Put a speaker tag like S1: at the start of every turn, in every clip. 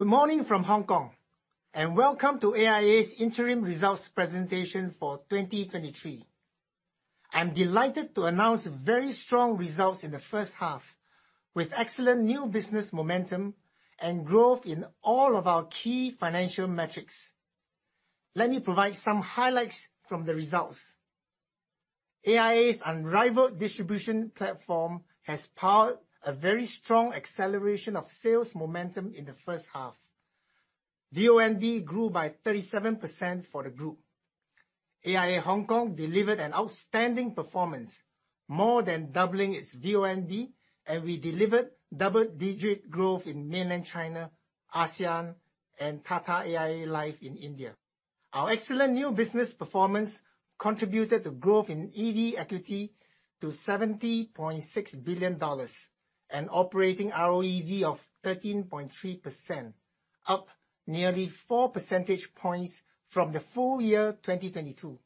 S1: Good morning from Hong Kong, and welcome to AIA's interim results presentation for 2023. I'm delighted to announce very strong results in the first half, with excellent new business momentum and growth in all of our key financial metrics. Let me provide some highlights from the results. AIA's unrivaled distribution platform has powered a very strong acceleration of sales momentum in the first half. VONB grew by 37% for the group. AIA Hong Kong delivered an outstanding performance, more than doubling its VONB, and we delivered double-digit growth in mainland China, ASEAN, and Tata AIA Life in India. Our excellent new business performance contributed to growth in EV equity to $70.6 billion, and operating ROEV of 13.3%, up nearly four percentage points from the full year 2022.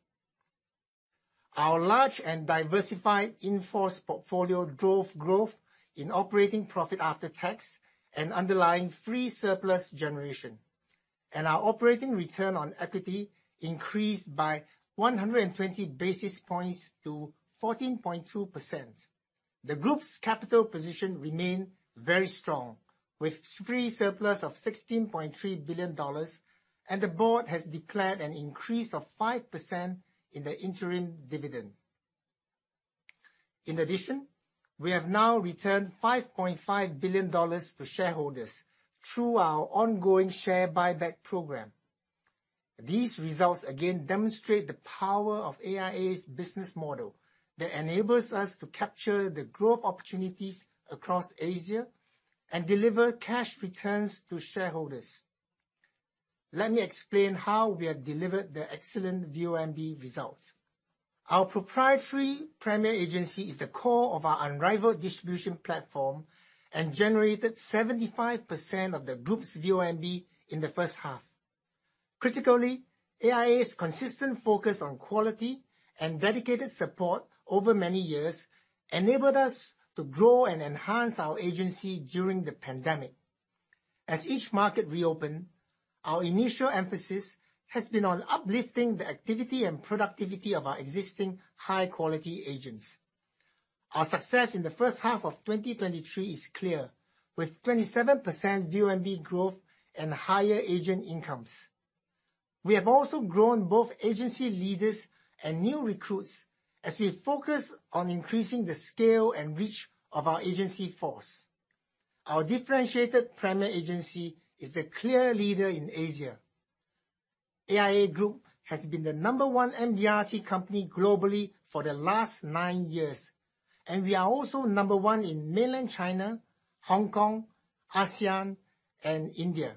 S1: Our large and diversified in-force portfolio drove growth in operating profit after tax and underlying free surplus generation. Our operating return on equity increased by 120 basis points to 14.2%. The group's capital position remained very strong, with free surplus of $16.3 billion, and the board has declared an increase of 5% in the interim dividend. In addition, we have now returned $5.5 billion to shareholders through our ongoing share buyback program. These results again demonstrate the power of AIA's business model that enables us to capture the growth opportunities across Asia and deliver cash returns to shareholders. Let me explain how we have delivered the excellent VONB result. Our proprietary primary agency is the core of our unrivaled distribution platform and generated 75% of the group's VONB in the first half. Critically, AIA's consistent focus on quality and dedicated support over many years enabled us to grow and enhance our agency during the pandemic. As each market reopened, our initial emphasis has been on uplifting the activity and productivity of our existing high-quality agents. Our success in the first half of 2023 is clear, with 27% VONB growth and higher agent incomes. We have also grown both agency leaders and new recruits as we focus on increasing the scale and reach of our agency force. Our differentiated primary agency is the clear leader in Asia. AIA Group has been the number one MDRT company globally for the last 9 years, and we are also number one in mainland China, Hong Kong, ASEAN, and India.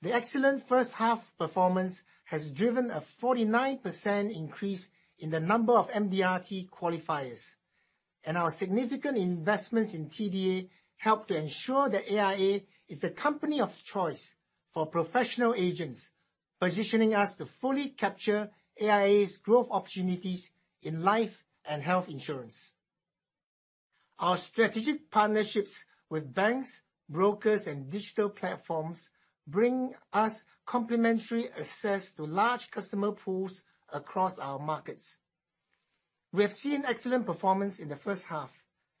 S1: The excellent first half performance has driven a 49% increase in the number of MDRT qualifiers, and our significant investments in TDA help to ensure that AIA is the company of choice for professional agents, positioning us to fully capture AIA's growth opportunities in life and health insurance. Our strategic partnerships with banks, brokers, and digital platforms bring us complementary access to large customer pools across our markets. We have seen excellent performance in the first half,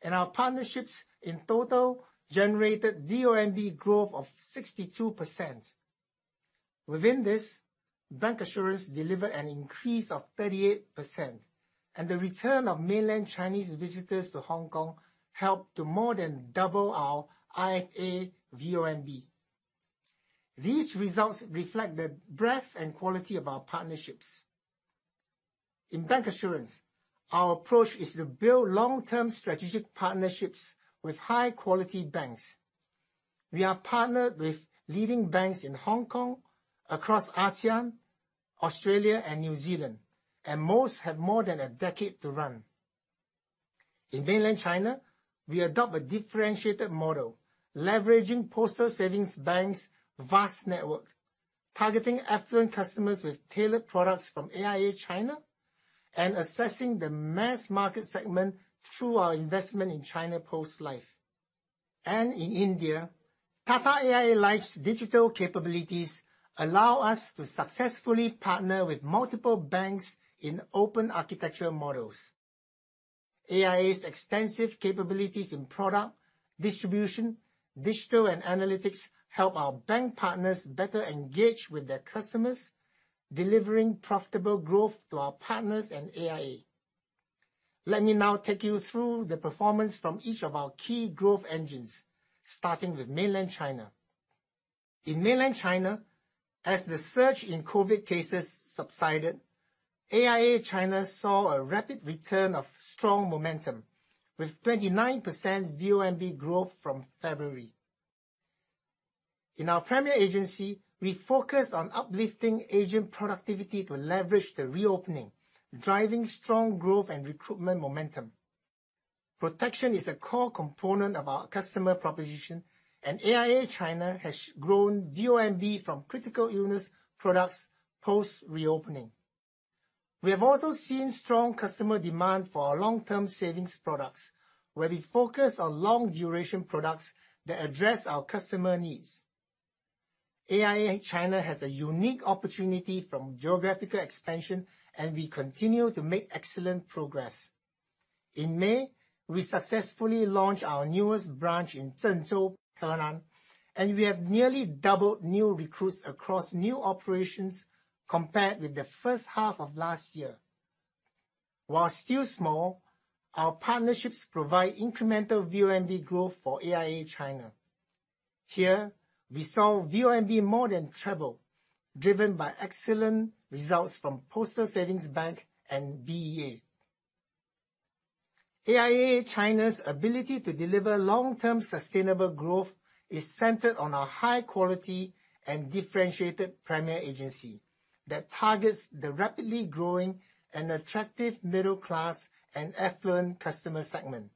S1: and our partnerships in total generated VONB growth of 62%. Within this, bancassurance delivered an increase of 38%, and the return of mainland Chinese visitors to Hong Kong helped to more than double our IFA VONB. These results reflect the breadth and quality of our partnerships. In bancassurance, our approach is to build long-term strategic partnerships with high-quality banks. We are partnered with leading banks in Hong Kong, across ASEAN, Australia, and New Zealand, and most have more than a decade to run. In mainland China, we adopt a differentiated model, leveraging Postal Savings Bank's vast network, targeting affluent customers with tailored products from AIA China, and assessing the mass market segment through our investment in China Post Life. In India, Tata AIA Life's digital capabilities allow us to successfully partner with multiple banks in open architecture models. AIA's extensive capabilities in product, distribution, digital, and analytics help our bank partners better engage with their customers, delivering profitable growth to our partners and AIA. Let me now take you through the performance from each of our key growth engines, starting with mainland China. In mainland China, as the surge in COVID cases subsided, AIA China saw a rapid return of strong momentum, with 29% VONB growth from February. In our premier agency, we focused on uplifting agent productivity to leverage the reopening, driving strong growth and recruitment momentum. Protection is a core component of our customer proposition, and AIA China has grown VONB from critical illness products post-reopening. We have also seen strong customer demand for our long-term savings products, where we focus on long duration products that address our customer needs. AIA China has a unique opportunity from geographical expansion, and we continue to make excellent progress. In May, we successfully launched our newest branch in Zhengzhou, Henan, and we have nearly doubled new recruits across new operations compared with the first half of last year. While still small, our partnerships provide incremental VOMV growth for AIA China. Here, we saw VONB more than treble, driven by excellent results from Postal Savings Bank and BEA. AIA China's ability to deliver long-term sustainable growth is centered on our high quality and differentiated premier agency, that targets the rapidly growing and attractive middle class and affluent customer segment,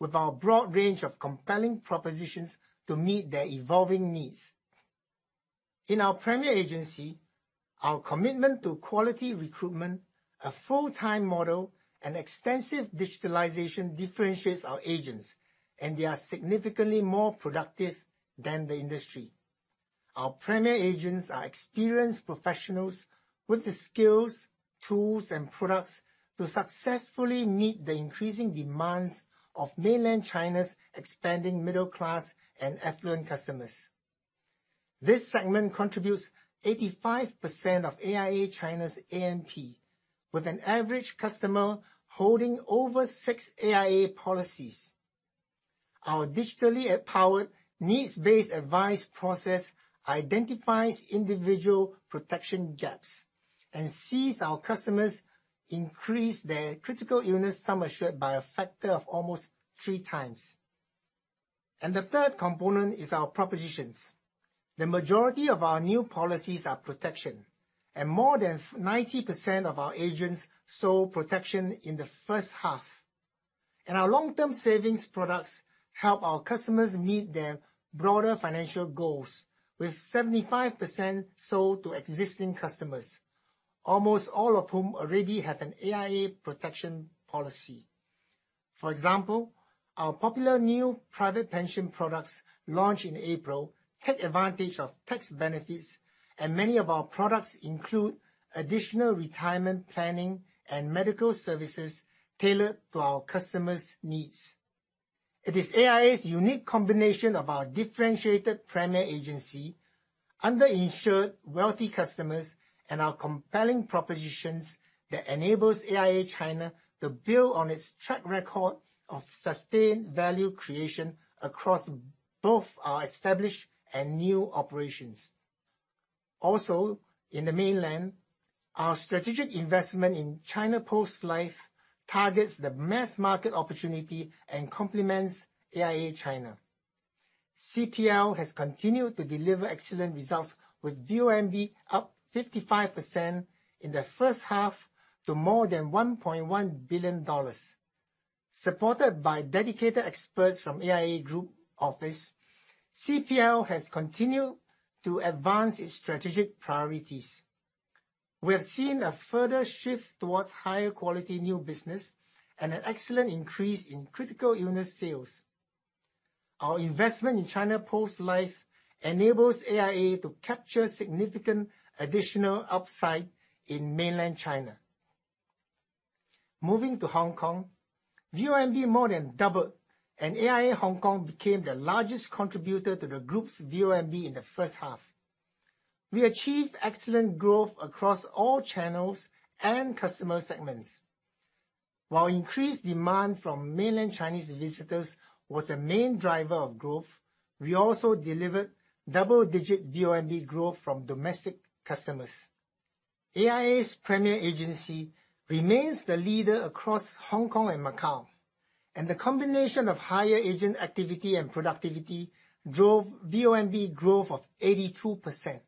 S1: with our broad range of compelling propositions to meet their evolving needs. In our premier agency, our commitment to quality recruitment, a full-time model, and extensive digitalization differentiates our agents, and they are significantly more productive than the industry. Our premier agents are experienced professionals with the skills, tools, and products to successfully meet the increasing demands of mainland China's expanding middle class and affluent customers. This segment contributes 85% of AIA China's ANP, with an average customer holding over 6 AIA policies. Our digitally empowered needs-based advice process identifies individual protection gaps and sees our customers increase their critical illness sum assured by a factor of almost 3 times. The third component is our propositions. The majority of our new policies are protection, and more than 90% of our agents sold protection in the first half. Our long-term savings products help our customers meet their broader financial goals, with 75% sold to existing customers, almost all of whom already have an AIA protection policy. For example, our popular new private pension products launched in April take advantage of tax benefits, and many of our products include additional retirement planning and medical services tailored to our customers' needs. It is AIA's unique combination of our differentiated premier agency, under-insured wealthy customers, and our compelling propositions that enables AIA China to build on its track record of sustained value creation across both our established and new operations. Also, in the mainland, our strategic investment in China Post Life targets the mass market opportunity and complements AIA China. CPL has continued to deliver excellent results, with VOMV up 55% in the first half to more than $1.1 billion. Supported by dedicated experts from AIA Group office, CPL has continued to advance its strategic priorities. We have seen a further shift towards higher quality new business and an excellent increase in critical illness sales. Our investment in China Post Life enables AIA to capture significant additional upside in mainland China. Moving to Hong Kong, VOMV more than doubled, and AIA Hong Kong became the largest contributor to the Group's VOMV in the first half. We achieved excellent growth across all channels and customer segments. While increased demand from mainland Chinese visitors was the main driver of growth, we also delivered double-digit VOMV growth from domestic customers. AIA's premier agency remains the leader across Hong Kong and Macau, and the combination of higher agent activity and productivity drove VOMV growth of 82%.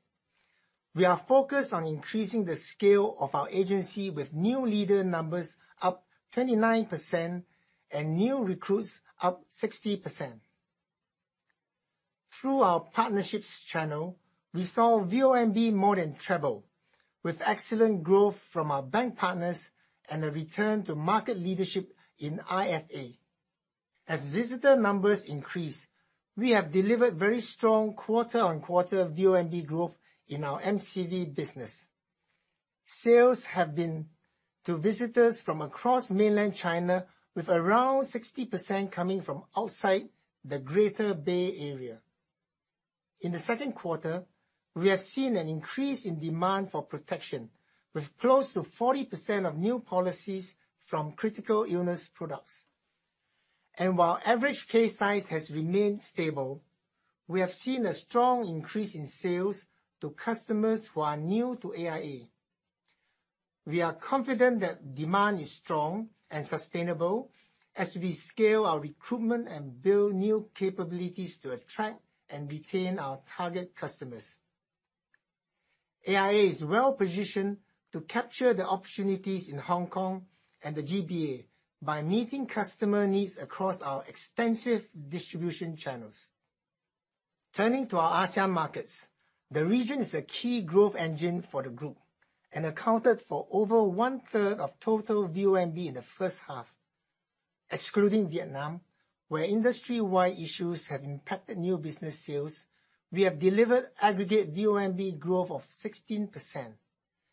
S1: We are focused on increasing the scale of our agency, with new leader numbers up 29% and new recruits up 60%. Through our partnerships channel, we saw VOMV more than treble, with excellent growth from our bank partners and a return to market leadership in IFA. As visitor numbers increase, we have delivered very strong quarter-on-quarter VOMV growth in our MCV business. Sales have been to visitors from across Mainland China, with around 60% coming from outside the Greater Bay Area. In the second quarter, we have seen an increase in demand for protection, with close to 40% of new policies from critical illness products. And while average case size has remained stable, we have seen a strong increase in sales to customers who are new to AIA. We are confident that demand is strong and sustainable as we scale our recruitment and build new capabilities to attract and retain our target customers. AIA is well positioned to capture the opportunities in Hong Kong and the GBA by meeting customer needs across our extensive distribution channels.... Turning to our ASEAN markets, the region is a key growth engine for the group and accounted for over one-third of total VONB in the first half. Excluding Vietnam, where industry-wide issues have impacted new business sales, we have delivered aggregate VONB growth of 16%,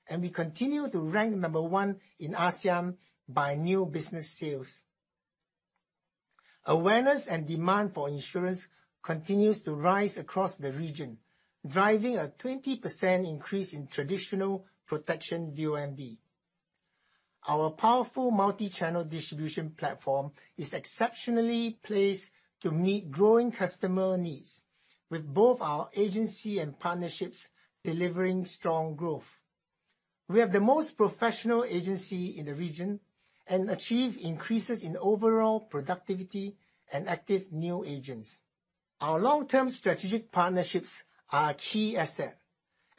S1: and we continue to rank No. 1 in ASEAN by new business sales. Awareness and demand for insurance continues to rise across the region, driving a 20% increase in traditional protection VONB. Our powerful multi-channel distribution platform is exceptionally placed to meet growing customer needs, with both our agency and partnerships delivering strong growth. We have the most professional agency in the region and achieve increases in overall productivity and active new agents. Our long-term strategic partnerships are a key asset,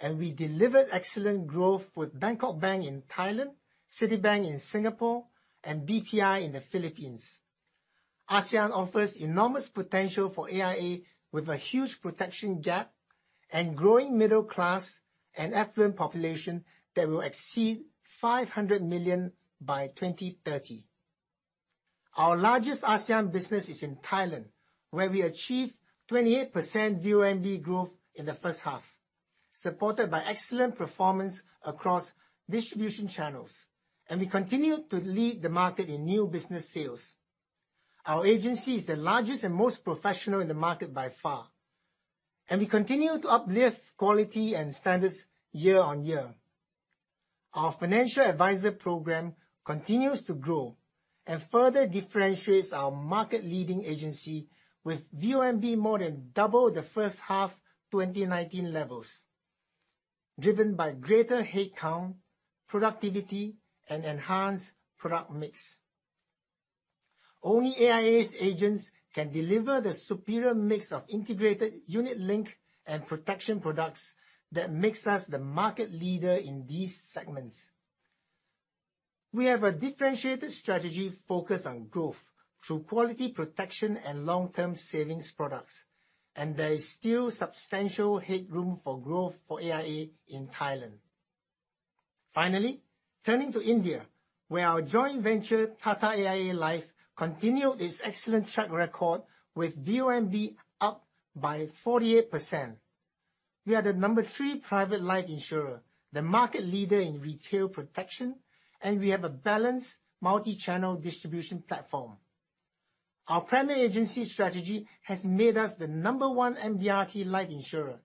S1: and we delivered excellent growth with Bangkok Bank in Thailand, Citibank in Singapore, and BPI in the Philippines. ASEAN offers enormous potential for AIA, with a huge protection gap and growing middle class and affluent population that will exceed 500 million by 2030. Our largest ASEAN business is in Thailand, where we achieved 28% VONB growth in the first half, supported by excellent performance across distribution channels, and we continue to lead the market in new business sales. Our agency is the largest and most professional in the market by far, and we continue to uplift quality and standards year on year. Our financial advisor program continues to grow and further differentiates our market-leading agency with VONB more than double the first half 2019 levels, driven by greater headcount, productivity, and enhanced product mix. Only AIA's agents can deliver the superior mix of integrated unit-linked and protection products that makes us the market leader in these segments. We have a differentiated strategy focused on growth through quality protection and long-term savings products, and there is still substantial headroom for growth for AIA in Thailand. Finally, turning to India, where our joint venture, Tata AIA Life, continued its excellent track record with VONB up by 48%. We are the number 3 private life insurer, the market leader in retail protection, and we have a balanced multi-channel distribution platform. Our primary agency strategy has made us the number 1 MDRT life insurer,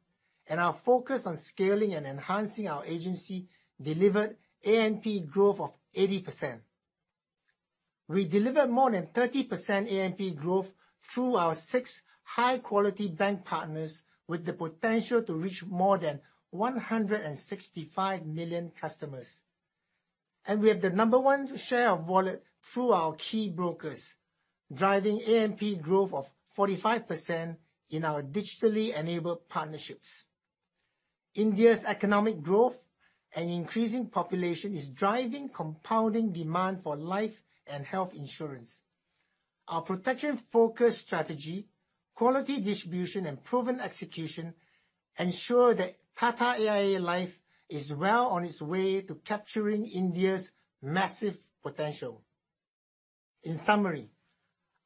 S1: and our focus on scaling and enhancing our agency delivered A&P growth of 80%. We delivered more than 30% A&P growth through our 6 high-quality bank partners, with the potential to reach more than 165 million customers. And we have the number 1 share of wallet through our key brokers, driving A&P growth of 45% in our digitally enabled partnerships. India's economic growth and increasing population is driving compounding demand for life and health insurance. Our protection-focused strategy, quality distribution, and proven execution ensure that Tata AIA Life is well on its way to capturing India's massive potential. In summary,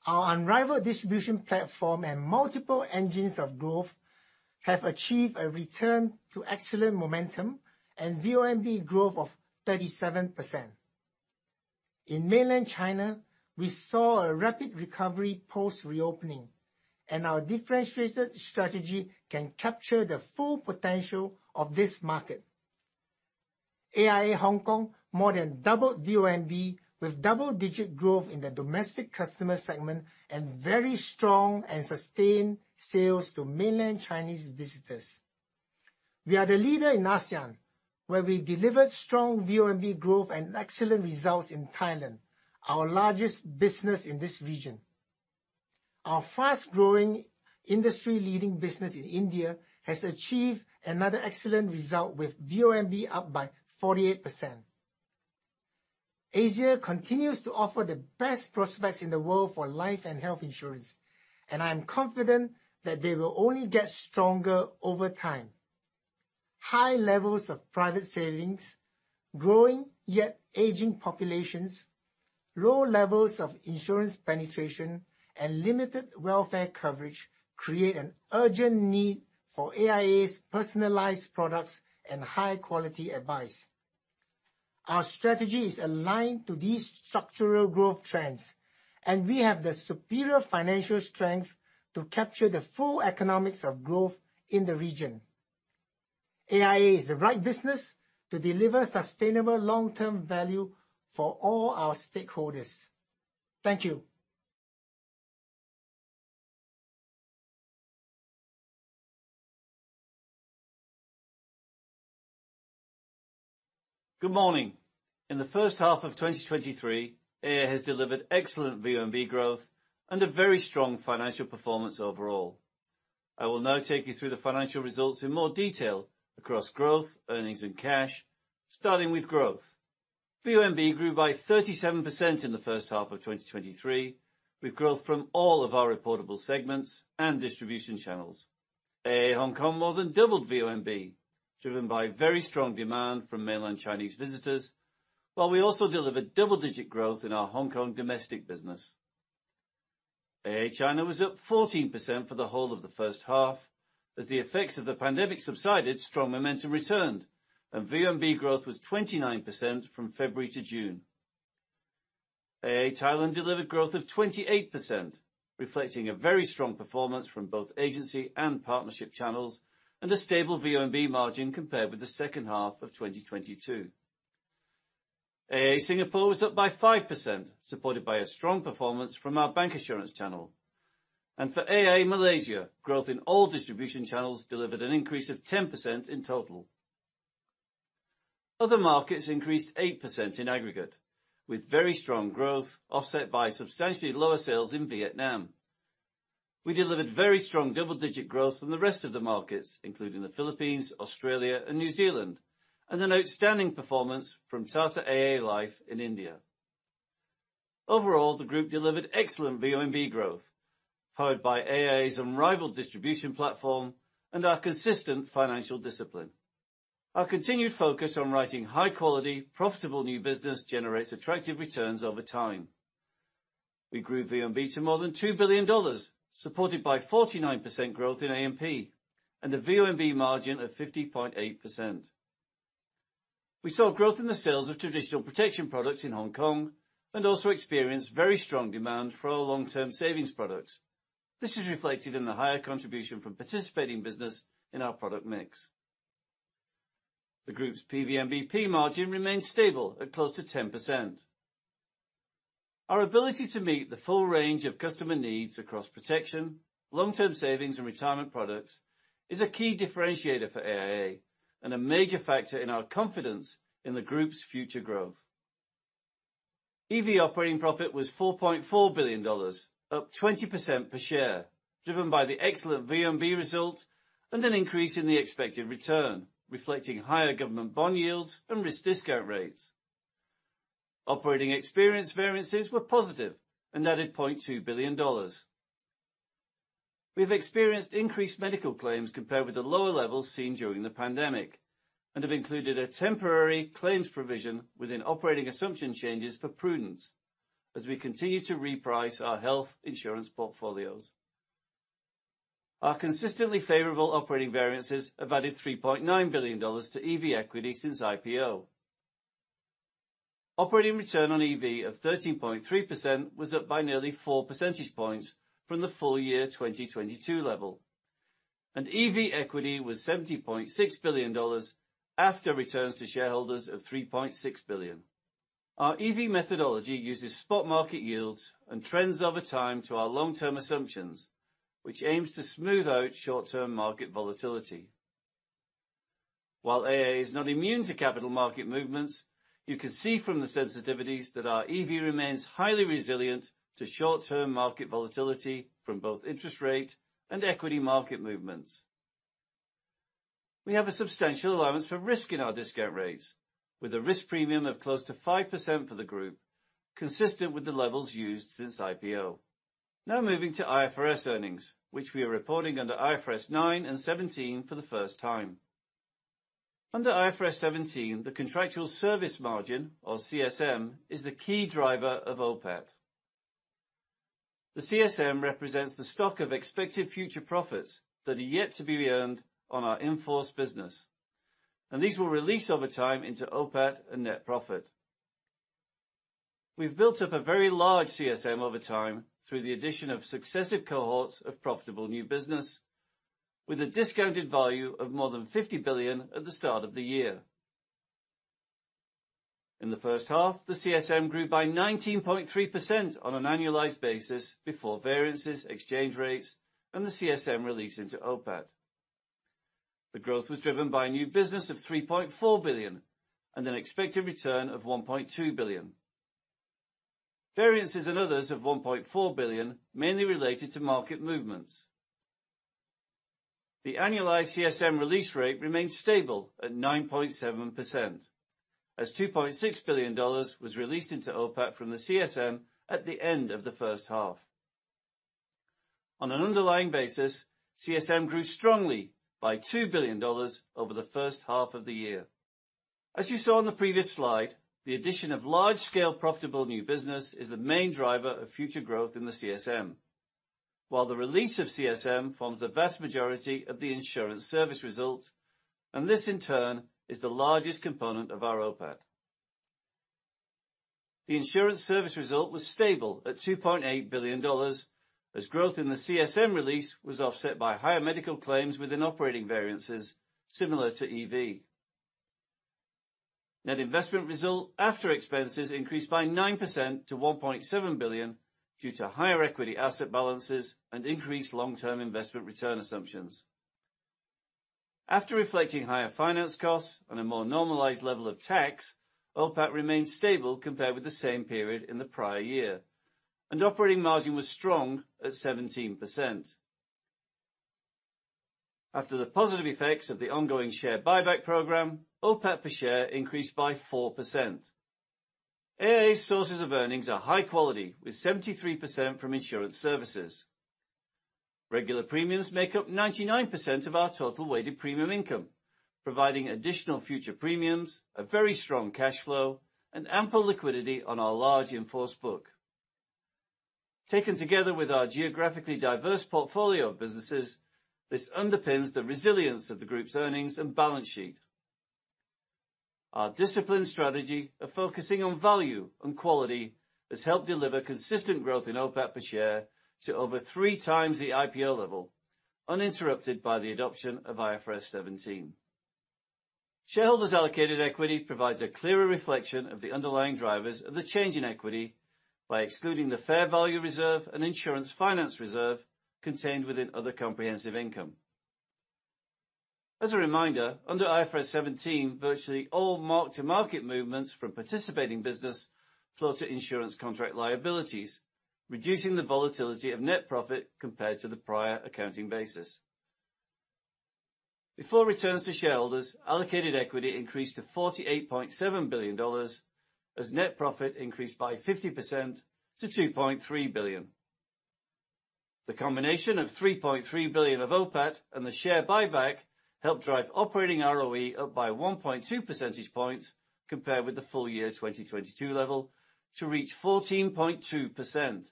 S1: our unrivaled distribution platform and multiple engines of growth have achieved a return to excellent momentum and VOMV growth of 37%. In Mainland China, we saw a rapid recovery post-reopening, and our differentiated strategy can capture the full potential of this market. AIA Hong Kong more than doubled VOMV, with double-digit growth in the domestic customer segment and very strong and sustained sales to Mainland Chinese visitors. We are the leader in ASEAN, where we delivered strong VOMV growth and excellent results in Thailand, our largest business in this region. Our fast-growing, industry-leading business in India has achieved another excellent result, with VOMV up by 48%. Asia continues to offer the best prospects in the world for life and health insurance, and I am confident that they will only get stronger over time. High levels of private savings, growing yet aging populations, low levels of insurance penetration, and limited welfare coverage create an urgent need for AIA's personalized products and high-quality advice. Our strategy is aligned to these structural growth trends, and we have the superior financial strength to capture the full economics of growth in the region. AIA is the right business to deliver sustainable long-term value for all our stakeholders. Thank you.
S2: Good morning. In the first half of 2023, AIA has delivered excellent VONB growth and a very strong financial performance overall. I will now take you through the financial results in more detail across growth, earnings, and cash, starting with growth. VONB grew by 37% in the first half of 2023, with growth from all of our reportable segments and distribution channels. AIA Hong Kong more than doubled VONB, driven by very strong demand from mainland Chinese visitors, while we also delivered double-digit growth in our Hong Kong domestic business. AIA China was up 14% for the whole of the first half. As the effects of the pandemic subsided, strong momentum returned, and VONB growth was 29% from February to June. AIA Thailand delivered growth of 28%, reflecting a very strong performance from both agency and partnership channels, and a stable VONB margin compared with the second half of 2022. AIA Singapore was up by 5%, supported by a strong performance from our bancassurance channel. For AIA Malaysia, growth in all distribution channels delivered an increase of 10% in total. Other markets increased 8% in aggregate, with very strong growth, offset by substantially lower sales in Vietnam. We delivered very strong double-digit growth from the rest of the markets, including the Philippines, Australia, and New Zealand, and an outstanding performance from Tata AIA Life in India. Overall, the group delivered excellent VONB growth, powered by AIA's unrivaled distribution platform and our consistent financial discipline. Our continued focus on writing high quality, profitable new business generates attractive returns over time. We grew VONB to more than $2 billion, supported by 49% growth in ANP and a VONB margin of 50.8%. We saw growth in the sales of traditional protection products in Hong Kong and also experienced very strong demand for our long-term savings products. This is reflected in the higher contribution from participating business in our product mix. The Group's PVNBP margin remains stable at close to 10%. Our ability to meet the full range of customer needs across protection, long-term savings, and retirement products is a key differentiator for AIA and a major factor in our confidence in the Group's future growth. EV operating profit was $4.4 billion, up 20% per share, driven by the excellent VONB result and an increase in the expected return, reflecting higher government bond yields and risk discount rates. Operating experience variances were positive and added $0.2 billion. We have experienced increased medical claims compared with the lower levels seen during the pandemic and have included a temporary claims provision within operating assumption changes for prudence as we continue to reprice our health insurance portfolios. Our consistently favorable operating variances have added $3.9 billion to EV equity since IPO. Operating return on EV of 13.3% was up by nearly four percentage points from the full year 2022 level, and EV equity was $70.6 billion after returns to shareholders of $3.6 billion. Our EV methodology uses spot market yields and trends over time to our long-term assumptions, which aims to smooth out short-term market volatility. While AIA is not immune to capital market movements, you can see from the sensitivities that our EV remains highly resilient to short-term market volatility from both interest rate and equity market movements. We have a substantial allowance for risk in our discount rates, with a risk premium of close to 5% for the group, consistent with the levels used since IPO. Now moving to IFRS earnings, which we are reporting under IFRS 9 and 17 for the first time. Under IFRS 17, the contractual service margin, or CSM, is the key driver of OPAT. The CSM represents the stock of expected future profits that are yet to be earned on our in-force business, and these will release over time into OPAT and net profit. We've built up a very large CSM over time through the addition of successive cohorts of profitable new business, with a discounted value of more than $50 billion at the start of the year. In the first half, the CSM grew by 19.3% on an annualized basis before variances, exchange rates, and the CSM release into OPAT. The growth was driven by new business of $3.4 billion and an expected return of $1.2 billion. Variances and others of $1.4 billion, mainly related to market movements. The annualized CSM release rate remained stable at 9.7%, as $2.6 billion was released into OPAT from the CSM at the end of the first half. On an underlying basis, CSM grew strongly by $2 billion over the first half of the year. As you saw in the previous slide, the addition of large-scale, profitable new business is the main driver of future growth in the CSM, while the release of CSM forms the vast majority of the insurance service result, and this, in turn, is the largest component of our OPAT. The insurance service result was stable at $2.8 billion, as growth in the CSM release was offset by higher medical claims within operating variances similar to EV. Net investment result after expenses increased by 9% to $1.7 billion due to higher equity asset balances and increased long-term investment return assumptions. After reflecting higher finance costs and a more normalized level of tax, OPAT remained stable compared with the same period in the prior year, and operating margin was strong at 17%. After the positive effects of the ongoing share buyback program, OPAT per share increased by 4%. AIA's sources of earnings are high quality, with 73% from insurance services. Regular premiums make up 99% of our total weighted premium income, providing additional future premiums, a very strong cash flow, and ample liquidity on our large in-force book. Taken together with our geographically diverse portfolio of businesses, this underpins the resilience of the Group's earnings and balance sheet. Our disciplined strategy of focusing on value and quality has helped deliver consistent growth in OPAT per share to over 3 times the IPO level, uninterrupted by the adoption of IFRS 17. Shareholders allocated equity provides a clearer reflection of the underlying drivers of the change in equity by excluding the fair value reserve and insurance finance reserve contained within other comprehensive income. As a reminder, under IFRS 17, virtually all mark-to-market movements from participating business flow to insurance contract liabilities, reducing the volatility of net profit compared to the prior accounting basis. Before returns to shareholders, allocated equity increased to $48.7 billion, as net profit increased by 50% to $2.3 billion. The combination of $3.3 billion of OPAT and the share buyback helped drive operating ROE up by 1.2 percentage points compared with the full year 2022 level to reach 14.2%.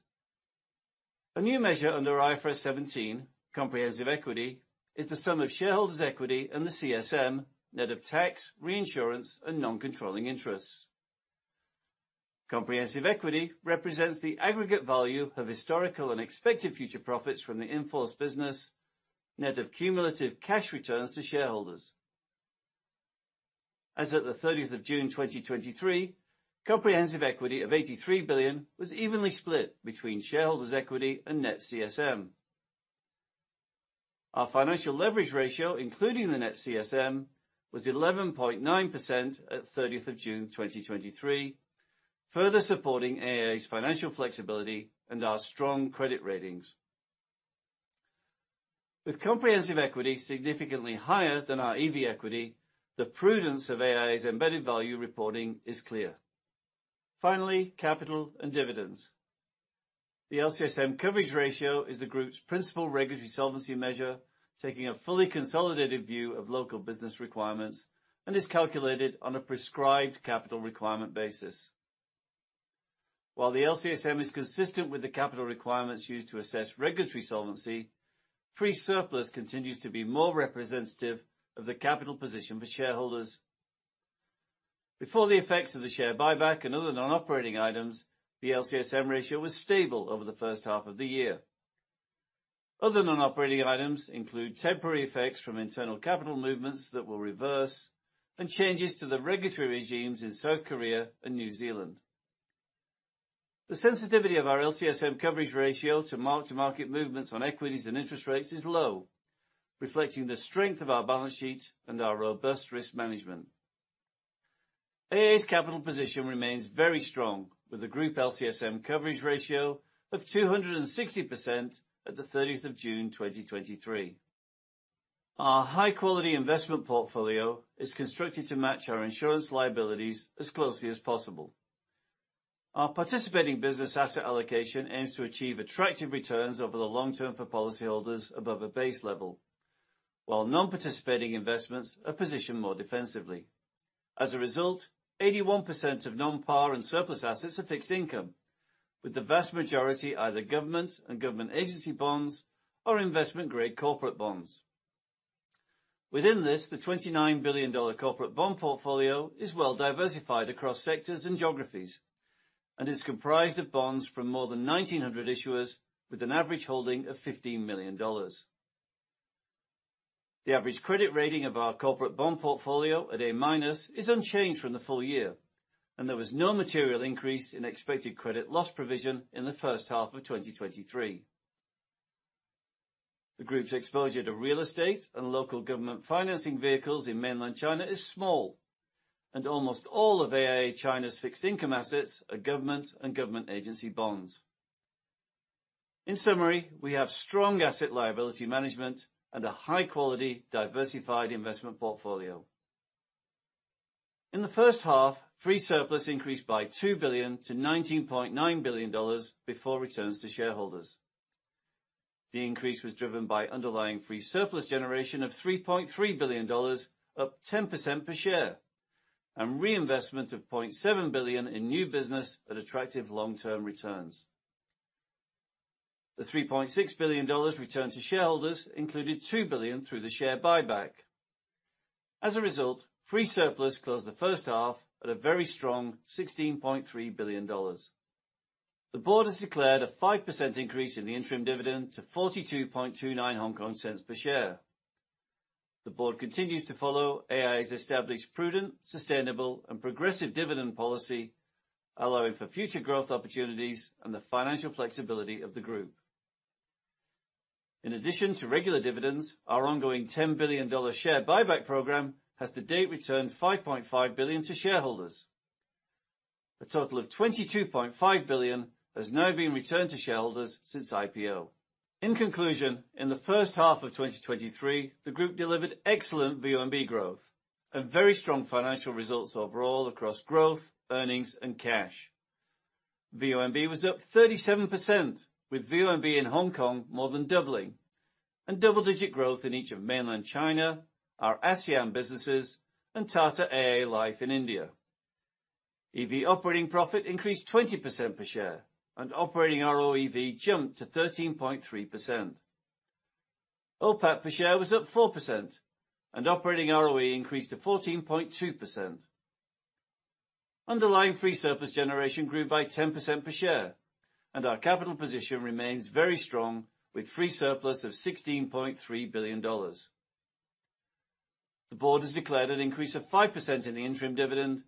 S2: A new measure under IFRS 17, comprehensive equity, is the sum of shareholders' equity and the CSM, net of tax, reinsurance, and non-controlling interests. Comprehensive equity represents the aggregate value of historical and expected future profits from the in-force business, net of cumulative cash returns to shareholders. As at the 30th of June 2023, comprehensive equity of $83 billion was evenly split between shareholders' equity and net CSM. Our financial leverage ratio, including the net CSM, was 11.9% at 30th of June 2023, further supporting AIA's financial flexibility and our strong credit ratings. With comprehensive equity significantly higher than our EV equity, the prudence of AIA's embedded value reporting is clear. Finally, capital and dividends. The LCSM coverage ratio is the group's principal regulatory solvency measure, taking a fully consolidated view of local business requirements, and is calculated on a prescribed capital requirement basis. While the LCSM is consistent with the capital requirements used to assess regulatory solvency, free surplus continues to be more representative of the capital position for shareholders. Before the effects of the share buyback and other non-operating items, the LCSM ratio was stable over the first half of the year. Other non-operating items include temporary effects from internal capital movements that will reverse and changes to the regulatory regimes in South Korea and New Zealand. The sensitivity of our LCSM coverage ratio to mark-to-market movements on equities and interest rates is low, reflecting the strength of our balance sheet and our robust risk management. AIA's capital position remains very strong, with a group LCSM coverage ratio of 260% at the 30th of June, 2023. Our high-quality investment portfolio is constructed to match our insurance liabilities as closely as possible. Our participating business asset allocation aims to achieve attractive returns over the long term for policyholders above a base level, while non-participating investments are positioned more defensively. As a result, 81% of non-par and surplus assets are fixed income, with the vast majority either government and government agency bonds or investment-grade corporate bonds. Within this, the $29 billion corporate bond portfolio is well diversified across sectors and geographies and is comprised of bonds from more than 1,900 issuers with an average holding of $15 million. The average credit rating of our corporate bond portfolio, at A-, is unchanged from the full year, and there was no material increase in expected credit loss provision in the first half of 2023. The group's exposure to real estate and local government financing vehicles in mainland China is small, and almost all of AIA China's fixed income assets are government and government agency bonds. In summary, we have strong asset liability management and a high-quality, diversified investment portfolio. In the first half, free surplus increased by $2 billion to $19.9 billion before returns to shareholders. The increase was driven by underlying free surplus generation of $3.3 billion, up 10% per share, and reinvestment of $0.7 billion in new business at attractive long-term returns. The $3.6 billion returned to shareholders included $2 billion through the share buyback. As a result, free surplus closed the first half at a very strong $16.3 billion. The board has declared a 5% increase in the interim dividend to HK$0.4229 per share. The board continues to follow AIA's established, prudent, sustainable, and progressive dividend policy, allowing for future growth opportunities and the financial flexibility of the Group. In addition to regular dividends, our ongoing $10 billion share buyback program has to date returned $5.5 billion to shareholders. A total of $22.5 billion has now been returned to shareholders since IPO. In conclusion, in the first half of 2023, the group delivered excellent VONB growth and very strong financial results overall across growth, earnings, and cash. VONB was up 37%, with VONB in Hong Kong more than doubling, and double-digit growth in each of mainland China, our ASEAN businesses, and Tata AIA Life in India. EV operating profit increased 20% per share, and operating ROEV jumped to 13.3%. OPAT per share was up 4%, and operating ROE increased to 14.2%. Underlying free surplus generation grew by 10% per share, and our capital position remains very strong, with free surplus of $16.3 billion. The board has declared an increase of 5% in the interim dividend,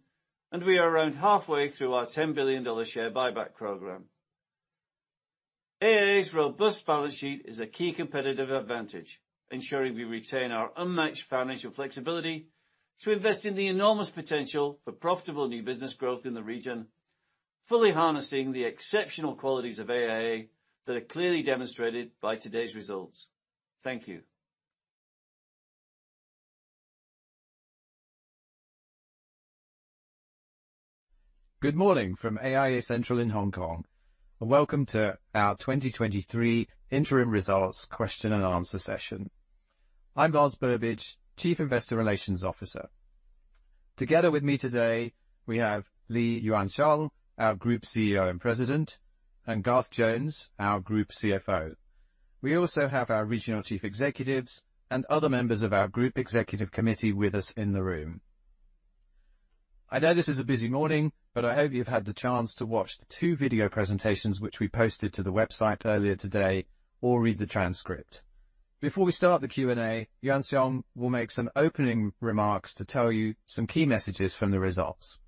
S2: and we are around halfway through our $10 billion share buyback program. AIA's robust balance sheet is a key competitive advantage, ensuring we retain our unmatched financial flexibility to invest in the enormous potential for profitable new business growth in the region, fully harnessing the exceptional qualities of AIA that are clearly demonstrated by today's results. Thank you.
S3: Good morning from AIA Central in Hong Kong, and welcome to our 2023 interim results question and answer session. I'm Lance Burbidge, Chief Investor Relations Officer. Together with me today, we have Lee Yuan Siong, our Group CEO and President, and Garth Jones, our Group CFO. We also have our Regional Chief Executives and other members of our Group Executive Committee with us in the room. I know this is a busy morning, but I hope you've had the chance to watch the two video presentations which we posted to the website earlier today or read the transcript. Before we start the Q&A, Yuan Siong will make some opening remarks to tell you some key messages from the results.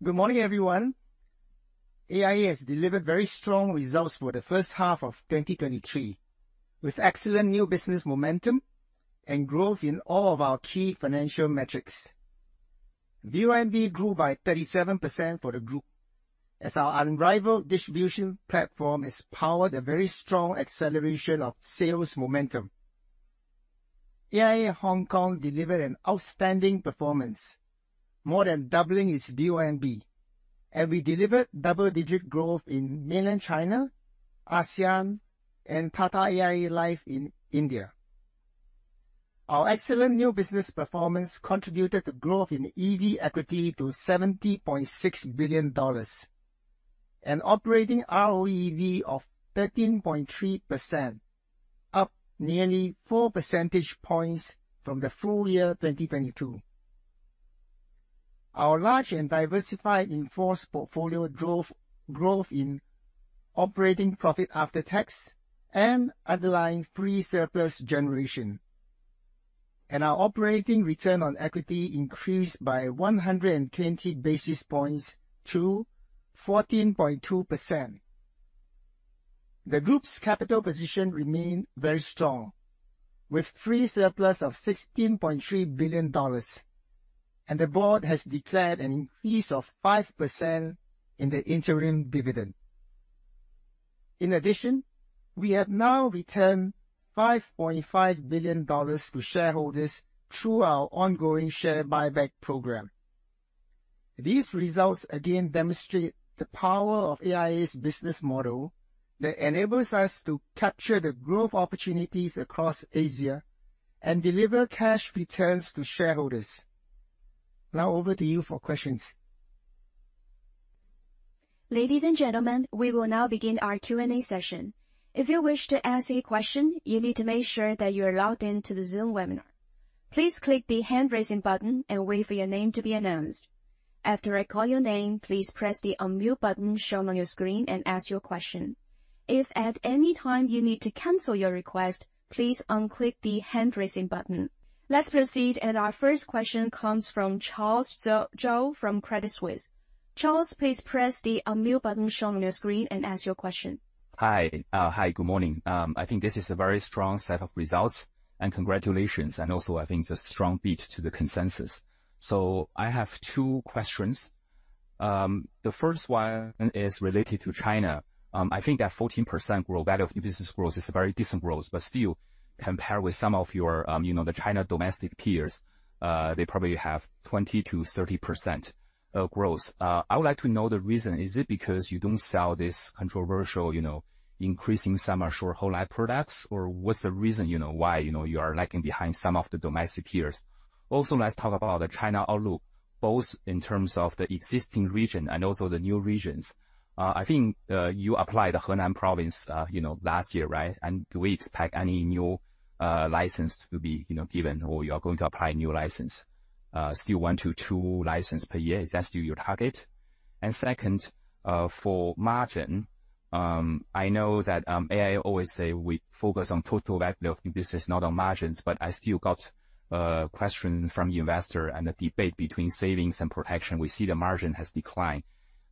S1: Good morning, everyone. AIA has delivered very strong results for the first half of 2023, with excellent new business momentum and growth in all of our key financial metrics. VONB grew by 37% for the group, as our unrivaled distribution platform has powered a very strong acceleration of sales momentum. AIA Hong Kong delivered an outstanding performance, more than doubling its VONB, and we delivered double-digit growth in mainland China, ASEAN, and Tata AIA Life in India. Our excellent new business performance contributed to growth in EV equity to $70.6 billion, and operating ROEV of 13.3%, up nearly four percentage points from the full year 2022. Our large and diversified in-force portfolio drove growth in operating profit after tax and underlying free surplus generation, and our operating return on equity increased by 100 basis points to 14.2%. The group's capital position remained very strong, with free surplus of $16.3 billion, and the board has declared an increase of 5% in the interim dividend. In addition, we have now returned $5.5 billion to shareholders through our ongoing share buyback program. These results again demonstrate the power of AIA's business model that enables us to capture the growth opportunities across Asia and deliver cash returns to shareholders. Now over to you for questions.
S4: Ladies and gentlemen, we will now begin our Q&A session. If you wish to ask a question, you need to make sure that you are logged in to the Zoom webinar. Please click the hand-raising button and wait for your name to be announced. After I call your name, please press the unmute button shown on your screen and ask your question. If at any time you need to cancel your request, please unclick the hand-raising button. Let's proceed, and our first question comes from Charles Zhou from Credit Suisse. Charles, please press the unmute button shown on your screen and ask your question.
S5: Hi. Hi, good morning. I think this is a very strong set of results, and congratulations, and also, I think it's a strong beat to the consensus. I have two questions. The first one is related to China. I think that 14% growth rate of new business growth is a very decent growth, but still, compared with some of your, you know, the China domestic peers, they probably have 20%-30% growth. I would like to know the reason. Is it because you don't sell this controversial, you know, increasing sum assured whole life products? Or what's the reason, you know, why, you know, you are lagging behind some of the domestic peers? Also, let's talk about the China outlook, both in terms of the existing region and also the new regions. I think you applied the Henan Province, you know, last year, right? And do we expect any new license to be, you know, given, or you are going to apply a new license? Still 1-2 licenses per year, is that still your target? And second, for margin, I know that AIA always say we focus on total value of new business, not on margins, but I still got question from the investor and the debate between savings and protection. We see the margin has declined....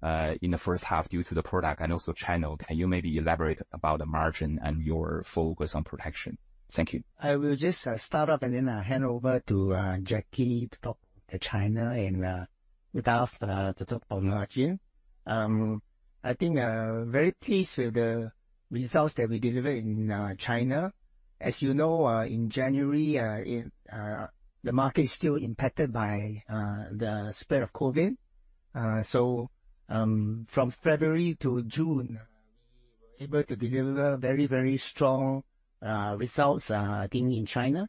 S5: in the first half due to the product and also channel. Can you maybe elaborate about the margin and your focus on protection? Thank you.
S1: I will just start off and then I'll hand over to Jacky to talk about the China and Garth to talk on margin. I think very pleased with the results that we delivered in China. As you know, in January, the market is still impacted by the spread of COVID. So, from February to June, we were able to deliver very, very strong results, I think in China.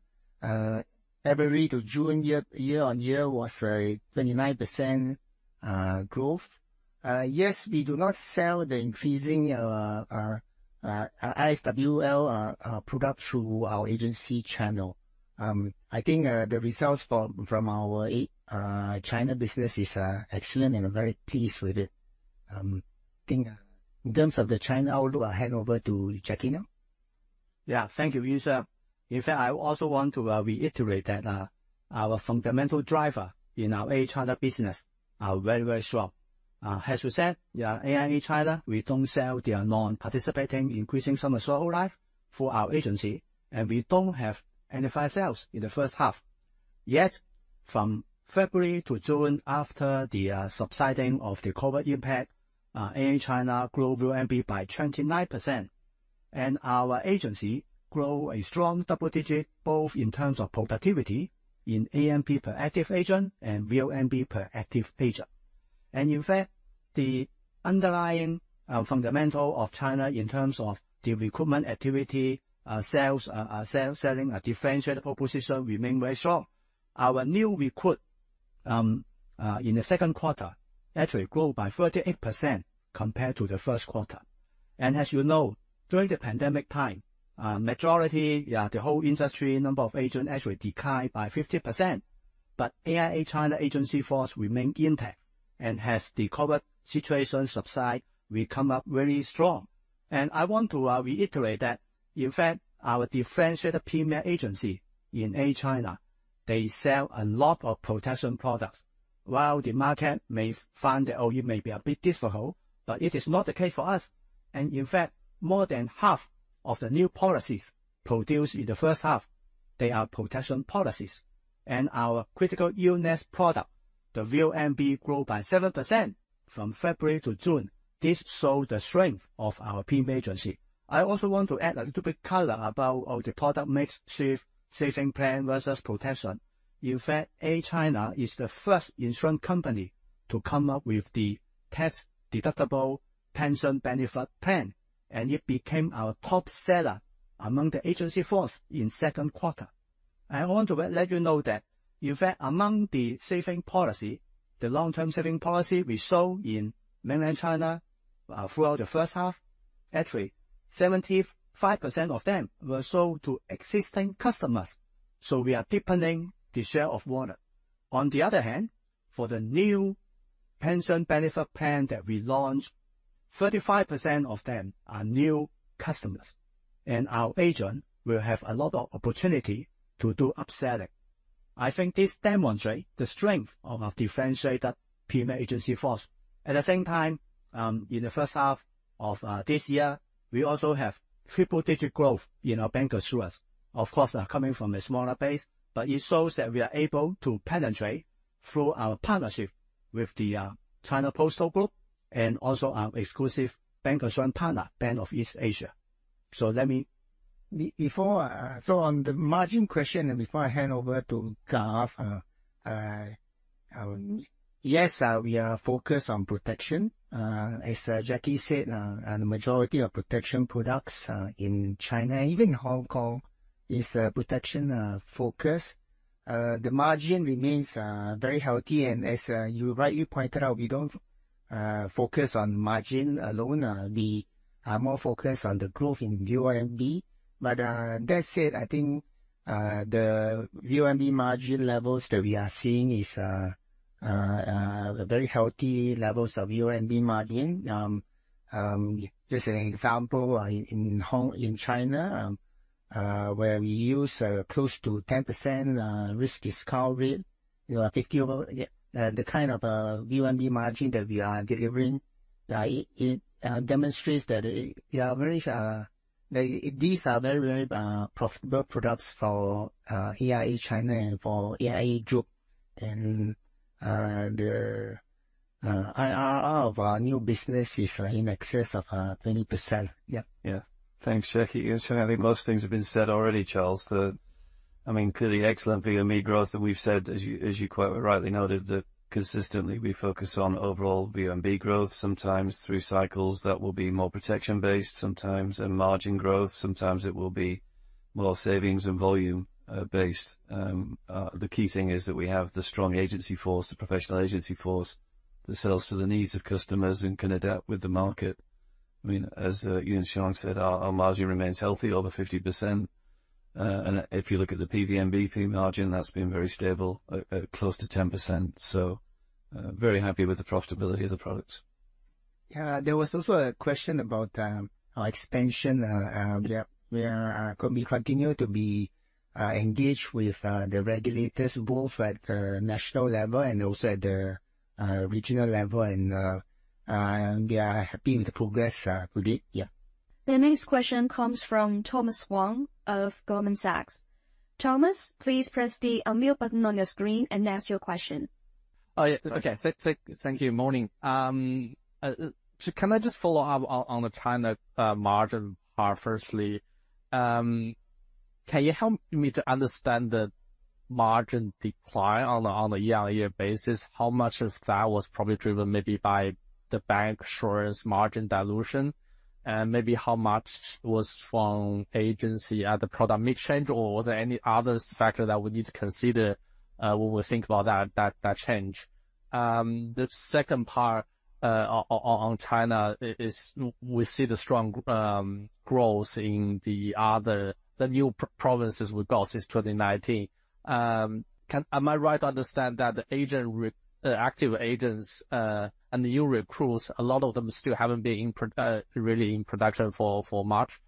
S1: February to June, year-on-year was 29% growth. Yes, we do not sell the increasing ISWL product through our agency channel. I think the results from our China business is excellent and I'm very pleased with it. I think, in terms of the China outlook, I'll hand over to Jacky now.
S6: Yeah. Thank you, Yuan Siong. In fact, I also want to reiterate that our fundamental driver in our AIA China business are very, very strong. As you said, yeah, AIA China, we don't sell their non-participating increasing summer whole life through our agency, and we don't have any fire sales in the first half. Yet from February to June, after the subsiding of the COVID impact, AIA China grew VONB by 29%, and our agency grow a strong double digit, both in terms of productivity, in ANP per active agent and VONB per active agent. And in fact, the underlying fundamental of China in terms of the recruitment activity, sales, selling a differentiated proposition remain very strong. Our new recruit in the second quarter actually grew by 38% compared to the first quarter. As you know, during the pandemic time, majority, yeah, the whole industry, number of agents actually declined by 50%. But AIA China agency force remained intact, and as the COVID situation subside, we come up very strong. I want to reiterate that, in fact, our differentiated Premier Agency in AIA China, they sell a lot of protection products. While the market may find the OU may be a bit difficult, but it is not the case for us. And inpact, more than half of the new policies produced in the first half, they are protection policies. And our critical illness product, the VNB, grew by 7% from February to June. This show the strength of our Premier Agency. I also want to add a little bit color about all the product mix, save, saving plan versus protection. In fact, AIA China is the first insurance company to come up with the tax-deductible pension benefit plan, and it became our top seller among the agency force in second quarter. I want to let you know that, in fact, among the saving policy, the long-term saving policy we sold in Mainland China, throughout the first half, actually 75% of them were sold to existing customers. So we are deepening the share of wallet. On the other hand, for the new pension benefit plan that we launched, 35% of them are new customers, and our agent will have a lot of opportunity to do upselling. I think this demonstrate the strength of our differentiated premium agency force. At the same time, in the first half of this year, we also have triple digit growth in our bancassurance. Of course, coming from a smaller base, but it shows that we are able to penetrate through our partnership with the China Post Group and also our exclusive bancassurance partner, Bank of East Asia. So let me-
S1: Before, so on the margin question, and before I hand over to Garth, yes, we are focused on protection. As Jacky said, the majority of protection products in China, even Hong Kong, is protection focused. The margin remains very healthy, and as you rightly pointed out, we don't focus on margin alone. We are more focused on the growth in VMB. But that said, I think the VMB margin levels that we are seeing is very healthy levels of VMB margin. Just an example, in Hong Kong, in China, where we use close to 10% risk discount rate, you know, if you the kind of VONB margin that we are delivering, it demonstrates that, yeah, very, these are very, very profitable products for AIA China and for AIA Group. And the IRR of our new business is in excess of 20%. Yeah.
S2: Yeah. Thanks, Jacky. So I think most things have been said already, Charles, that, I mean, clearly excellent VMB growth that we've said, as you, as you quite rightly noted, that consistently we focus on overall VMB growth, sometimes through cycles that will be more protection based, sometimes in margin growth, sometimes it will be more savings and volume, based. The key thing is that we have the strong agency force, the professional agency force, that sells to the needs of customers and can adapt with the market. I mean, as Yuan Siong said, our, our margin remains healthy, over 50%. And if you look at the PVNBP margin, that's been very stable, at, at close to 10%. So, very happy with the profitability of the products....
S1: Yeah, there was also a question about our expansion, where could we continue to be engaged with the regulators, both at the national level and also at the regional level. And we are happy with the progress to date. Yeah.
S4: The next question comes from Thomas Wang of Goldman Sachs. Thomas, please press the unmute button on your screen and ask your question.
S7: Oh, yeah. Okay. Thank you. Morning. So can I just follow up on the China margin part firstly? Can you help me to understand the margin decline on a year-on-year basis? How much of that was probably driven maybe by the bank insurance margin dilution? And maybe how much was from agency the product mix change, or was there any other factor that we need to consider when we think about that change? The second part on China is we see the strong growth in the new provinces we've got since 2019. Am I right to understand that the active agents and the new recruits, a lot of them still haven't been really in production for much,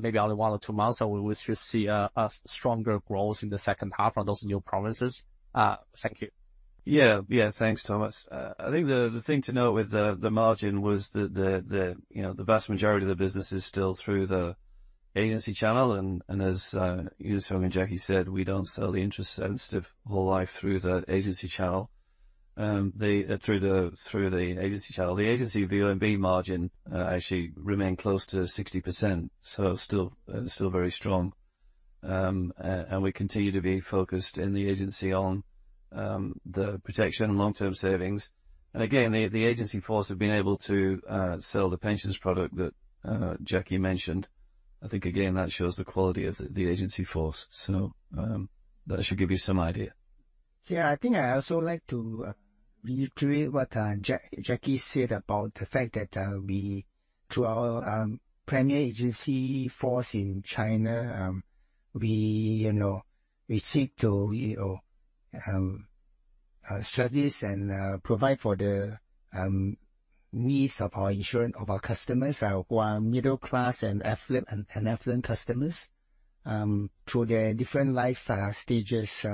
S7: maybe only one or two months, so we should see a stronger growth in the second half on those new provinces? Thank you.
S2: Yeah. Yeah, thanks, Thomas. I think the thing to note with the margin was the... You know, the vast majority of the business is still through the agency channel. And as Yuan Siong and Jacky said, we don't sell the interest-sensitive whole life through the agency channel. Through the agency channel, the agency VONB margin actually remained close to 60%, so still very strong. And we continue to be focused in the agency on the protection and long-term savings. And again, the agency force have been able to sell the pensions product that Jacky mentioned. I think, again, that shows the quality of the agency force. So, that should give you some idea.
S1: Yeah, I think I also like to reiterate what Jacky said about the fact that we, through our premier agency force in China, we, you know, we seek to, you know, service and provide for the needs of our insurance, of our customers who are middle class and affluent, and affluent customers. Through their different life stages,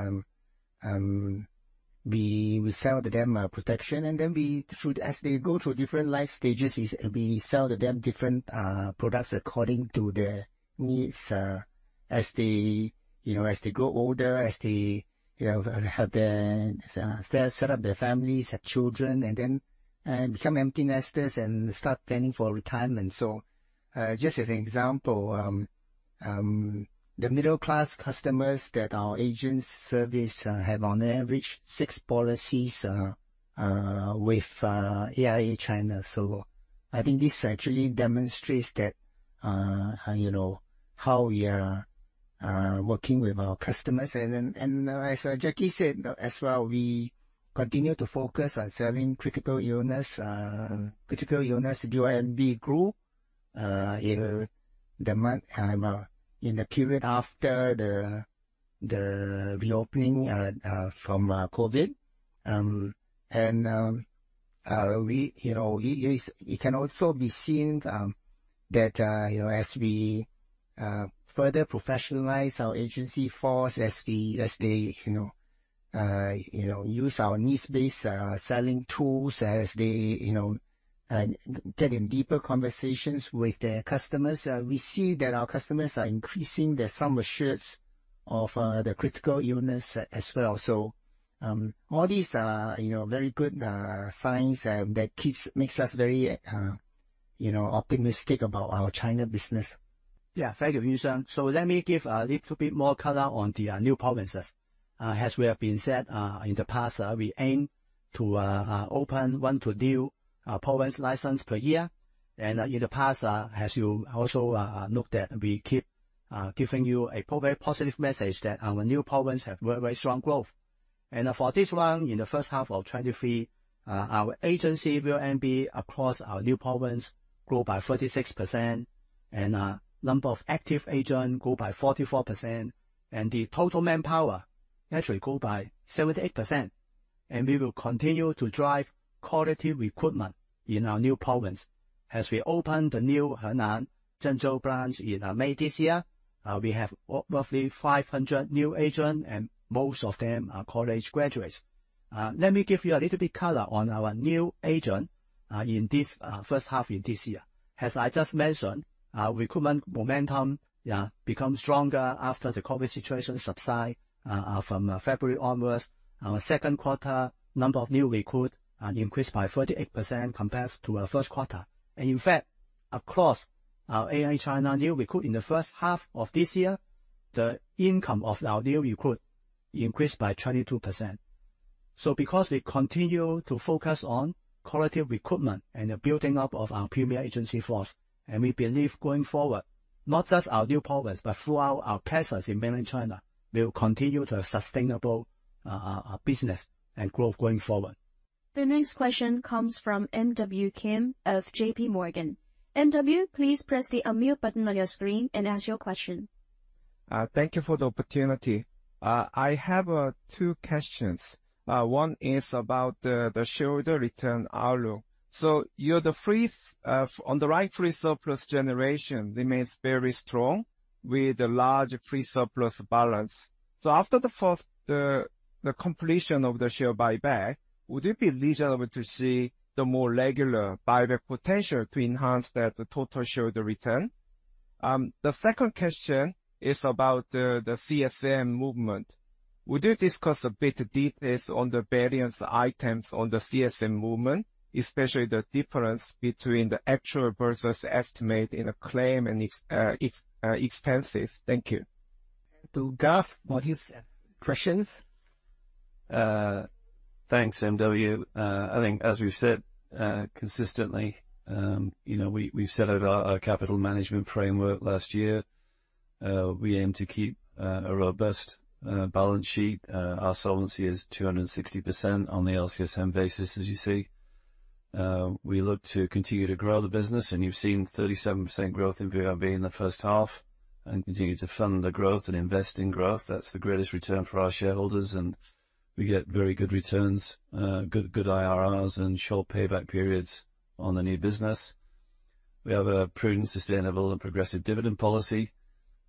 S1: we sell to them protection. As they go through different life stages, we sell to them different products according to their needs, as they, you know, as they grow older, as they, you know, have their set up their families, have children, and then become empty nesters and start planning for retirement. So, just as an example, the middle-class customers that our agents service have on average six policies with AIA China. So I think this actually demonstrates that, you know, how we are working with our customers. And then, and as Jacky said as well, we continue to focus on serving critical illness, critical illness, VUL and B group in the month, in the period after the reopening from COVID. It can also be seen, you know, as we further professionalize our agency force, as they, you know, use our needs-based selling tools, as they, you know, get in deeper conversations with their customers, we see that our customers are increasing their sum assured of the critical illness as well. So, all these are, you know, very good signs that makes us very, you know, optimistic about our China business.
S6: Yeah. Thank you, Yuan Siong. So let me give a little bit more color on the new provinces. As we have been said in the past, we aim to open one new province license per year. And in the past, as you also note that we keep giving you a very positive message that our new province have very, very strong growth. And for this one, in the first half of 2023, our agency VUL and B across our new province grew by 36%, and number of active agent grew by 44%, and the total manpower actually grew by 78%. And we will continue to drive quality recruitment in our new province. As we open the new Henan, Zhengzhou branch in May this year, we have roughly 500 new agent, and most of them are college graduates. Let me give you a little bit color on our new agent in this first half in this year. As I just mentioned, our recruitment momentum become stronger after the COVID situation subside from February onwards. Our second quarter number of new recruit increased by 38% compared to our first quarter. And in fact, across our AIA China new recruit in the first half of this year, the income of our new recruit increased by 22%. Because we continue to focus on quality recruitment and the building up of our premier agency force, and we believe going forward, not just our new province, but throughout our provinces in Mainland China, we will continue to sustainable business and growth going forward.
S4: The next question comes from MW Kim of JP Morgan. MW, please press the unmute button on your screen and ask your question....
S8: Thank you for the opportunity. I have two questions. One is about the shareholder return outlook. So you're the free on the right, free surplus generation remains very strong, with a large free surplus balance. So after the first, the completion of the share buyback, would it be reasonable to see the more regular buyback potential to enhance the total shareholder return? The second question is about the CSM movement. Would you discuss a bit of details on the variance items on the CSM movement, especially the difference between the actual versus estimate in a claim and ex expenses? Thank you.
S6: To Garth for his questions.
S2: Thanks, MW. I think as we've said, consistently, you know, we've set out our capital management framework last year. We aim to keep a robust balance sheet. Our solvency is 260% on the LCSM basis, as you see. We look to continue to grow the business, and you've seen 37% growth in VONB in the first half, and continue to fund the growth and invest in growth. That's the greatest return for our shareholders, and we get very good returns, good IRRs and short payback periods on the new business. We have a prudent, sustainable, and progressive dividend policy.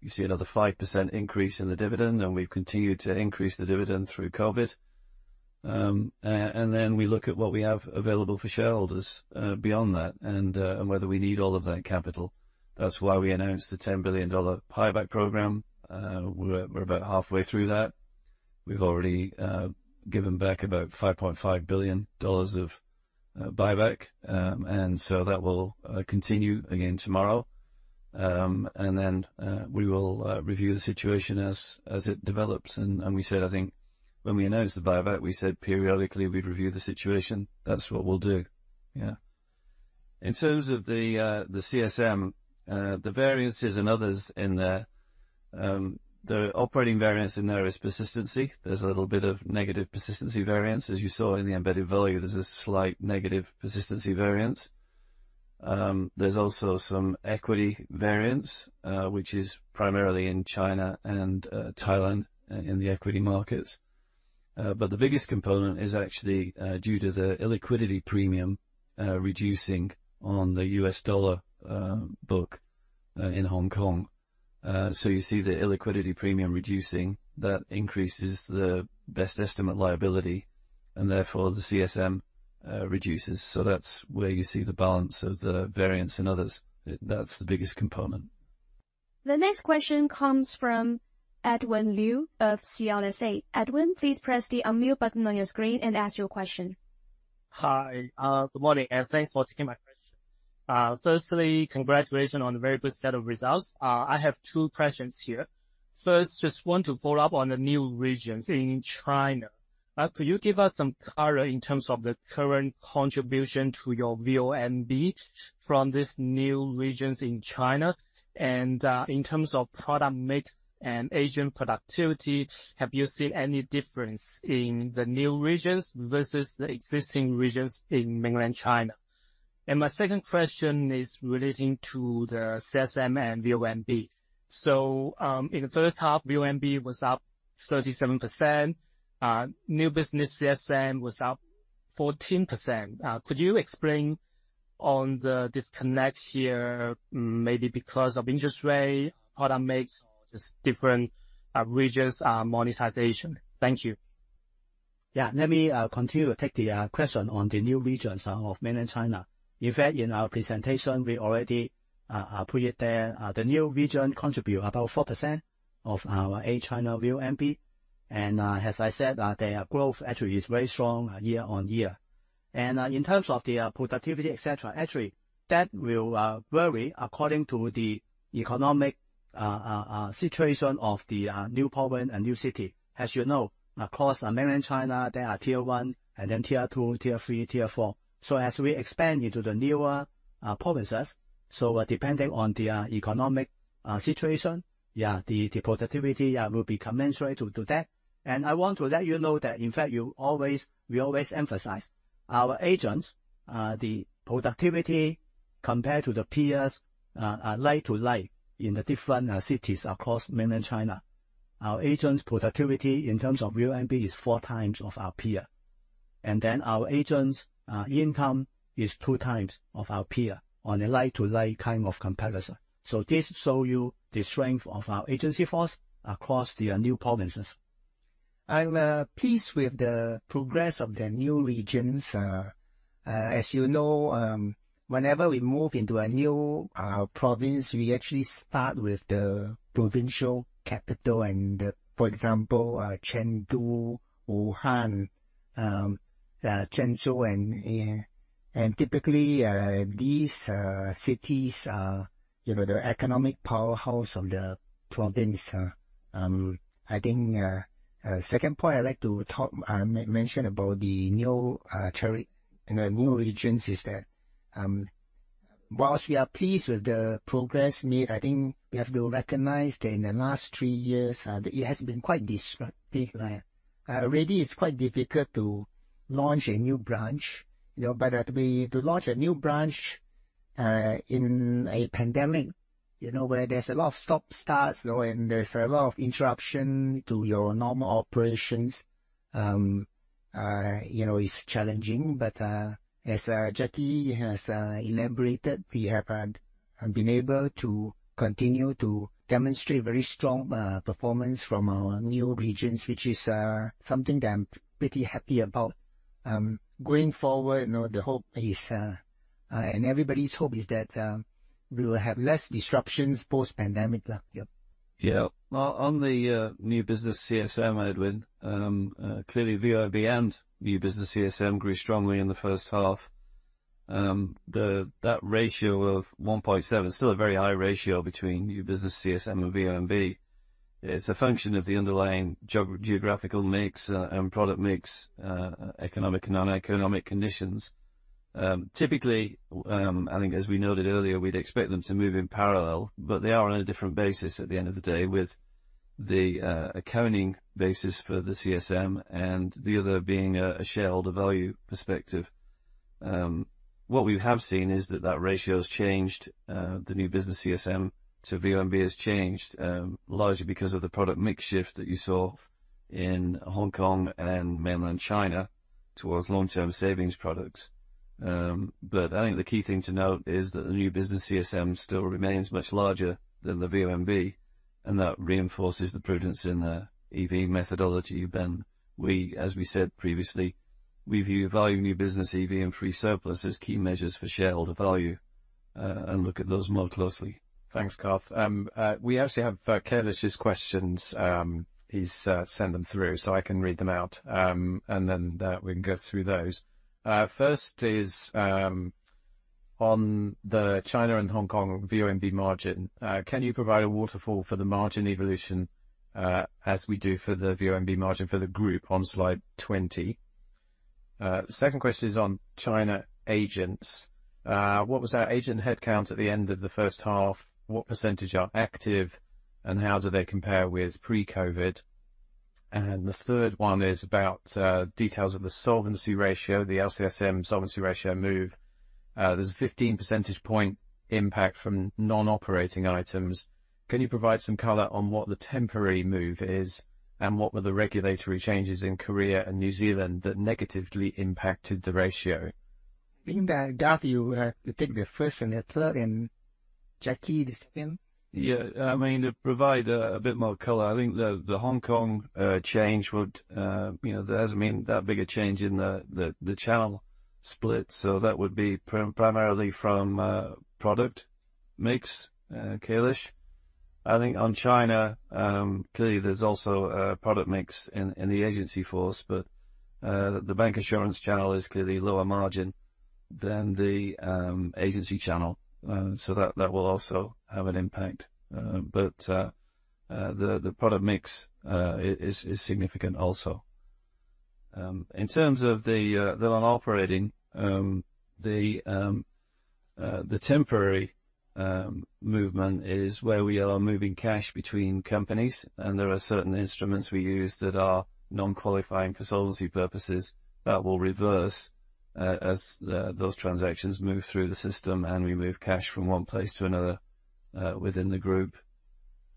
S2: You see another 5% increase in the dividend, and we've continued to increase the dividend through COVID. And then we look at what we have available for shareholders, beyond that, and whether we need all of that capital. That's why we announced the $10 billion buyback program. We're about halfway through that. We've already given back about $5.5 billion of buyback. And so that will continue again tomorrow. And then we will review the situation as it develops. And we said, I think when we announced the buyback, we said periodically we'd review the situation. That's what we'll do. Yeah. In terms of the CSM, the variances and others in there, the operating variance in there is persistency. There's a little bit of negative persistency variance. As you saw in the embedded value, there's a slight negative persistency variance. There's also some equity variance, which is primarily in China and Thailand, in the equity markets. But the biggest component is actually due to the illiquidity premium reducing on the US dollar book in Hong Kong. So you see the illiquidity premium reducing, that increases the best estimate liability, and therefore the CSM reduces. So that's where you see the balance of the variance and others. That's the biggest component.
S4: The next question comes from Edwin Fan of CLSA. Edwin, please press the unmute button on your screen and ask your question.
S9: Hi, good morning, and thanks for taking my question. Firstly, congratulations on a very good set of results. I have two questions here. First, just want to follow up on the new regions in China. Could you give us some color in terms of the current contribution to your VONB from these new regions in China? And, in terms of product mix and Asian productivity, have you seen any difference in the new regions versus the existing regions in mainland China? And my second question is relating to the CSM and VONB. So, in the first half, VONB was up 37%, new business CSM was up 14%. Could you explain on the disconnect here, maybe because of interest rate, product mix, or just different regions monetization? Thank you.
S6: Yeah, let me continue to take the question on the new regions of Mainland China. In fact, in our presentation, we already put it there. The new region contribute about 4% of our AIA China VONB. And, as I said, their growth actually is very strong year-on-year. And, in terms of the productivity, et cetera, actually, that will vary according to the economic situation of the new province and new city. As you know, across Mainland China, there are Tier One and then Tier Two, Tier Three, Tier Four. So as we expand into the newer provinces, so depending on the economic situation, yeah, the productivity, yeah, will be commensurate to that. I want to let you know that, in fact, we always emphasize our agents, the productivity compared to the peers, are like to like in the different cities across Mainland China. Our agents' productivity in terms of VONB is four times of our peer. Then our agents' income is two times of our peer on a like-to-like kind of comparison. So this show you the strength of our agency force across the new provinces. I'm pleased with the progress of the new regions. As you know, whenever we move into a new province, we actually start with the provincial capital and the... For example, Chengdu, Wuhan, Zhengzhou, and yeah. And typically, these cities are, you know, the economic powerhouse of the province.
S1: I think, second point I'd like to mention about the new regions is that, whilst we are pleased with the progress made, I think we have to recognize that in the last three years, it has been quite disruptive. Already it's quite difficult to launch a new branch. You know, but to launch a new branch-... in a pandemic, you know, where there's a lot of stop starts, you know, and there's a lot of interruption to your normal operations, you know, it's challenging. But as Jacky has elaborated, we have been able to continue to demonstrate very strong performance from our new regions, which is something that I'm pretty happy about. Going forward, you know, the hope is, and everybody's hope is that we will have less disruptions post-pandemic. Yeah.
S2: Yeah. Well, on the new business CSM, Edwin, clearly VIB and new business CSM grew strongly in the first half. That ratio of 1.7, still a very high ratio between new business CSM and VMB, it's a function of the underlying geographical mix and product mix, economic and non-economic conditions. Typically, I think as we noted earlier, we'd expect them to move in parallel, but they are on a different basis at the end of the day, with the accounting basis for the CSM and the other being a shareholder value perspective. What we have seen is that that ratio has changed, the new business CSM to VMB has changed, largely because of the product mix shift that you saw in Hong Kong and Mainland China towards long-term savings products. But I think the key thing to note is that the new business CSM still remains much larger than the VMB, and that reinforces the prudence in the EV methodology, Ben. We, as we said previously, we view value, new business, EV, and free surplus as key measures for shareholder value, and look at those more closely.
S3: Thanks, Garth. We actually have Kailash's questions. He's sent them through, so I can read them out. And then we can go through those. First is on the China and Hong Kong VMB margin. Can you provide a waterfall for the margin evolution as we do for the VMB margin for the group on slide 20? Second question is on China agents. What was our agent headcount at the end of the first half? What percentage are active, and how do they compare with pre-COVID? And the third one is about details of the solvency ratio, the LCSM solvency ratio move. There's a 15 percentage point impact from non-operating items. Can you provide some color on what the temporary move is, and what were the regulatory changes in Korea and New Zealand that negatively impacted the ratio?
S1: I think that, Garth, you take the first and the third, and Jacky, the second.
S2: Yeah. I mean, to provide a bit more color, I think the Hong Kong change would, you know, doesn't mean that big a change in the channel split, so that would be primarily from product mix, Kailash. I think on China, clearly there's also a product mix in the agency force, but the bank insurance channel is clearly lower margin than the agency channel, so that will also have an impact. But the product mix is significant also. In terms of the non-operating, the temporary movement is where we are moving cash between companies, and there are certain instruments we use that are non-qualifying for solvency purposes that will reverse, as those transactions move through the system, and we move cash from one place to another, within the group.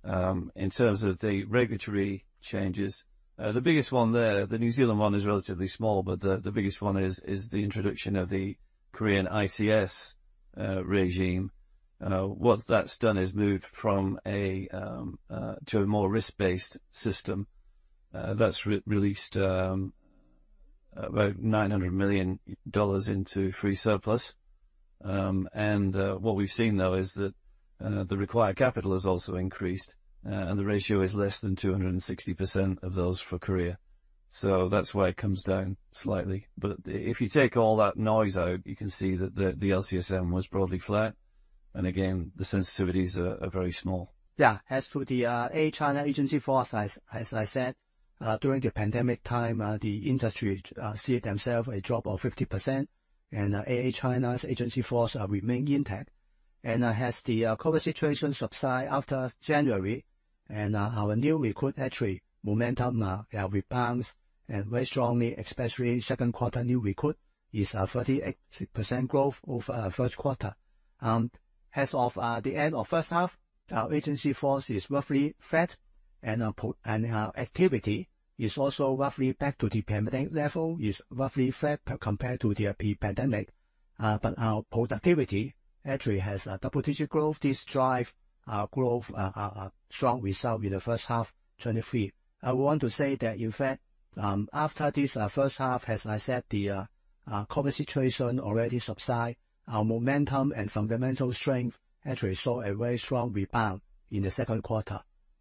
S2: In terms of the regulatory changes, the biggest one there, the New Zealand one is relatively small, but the biggest one is the introduction of the Korean ICS regime. What that's done is moved from a to a more risk-based system. That's released about $900 million into Free Surplus. And, what we've seen, though, is that, the required capital has also increased, and the ratio is less than 260% of those for Korea. So that's why it comes down slightly. But if you take all that noise out, you can see that the LCSM was broadly flat, and again, the sensitivities are very small.
S6: As to the AIA China agency force, as I said, during the pandemic time, the industry see themselves a drop of 50%, and AIA China's agency force remain intact. And as the COVID situation subside after January, and our new recruit actually momentum rebounds and very strongly, especially second quarter new recruit is 38% growth over first quarter. As of the end of first half, our agency force is roughly flat, and productivity and our activity is also roughly back to the pre-pandemic level. But our productivity actually has a double-digit growth. This drive growth a strong result in the first half 2023. I want to say that, in fact, after this first half, as I said, the COVID situation already subside. Our momentum and fundamental strength actually saw a very strong rebound in the second quarter.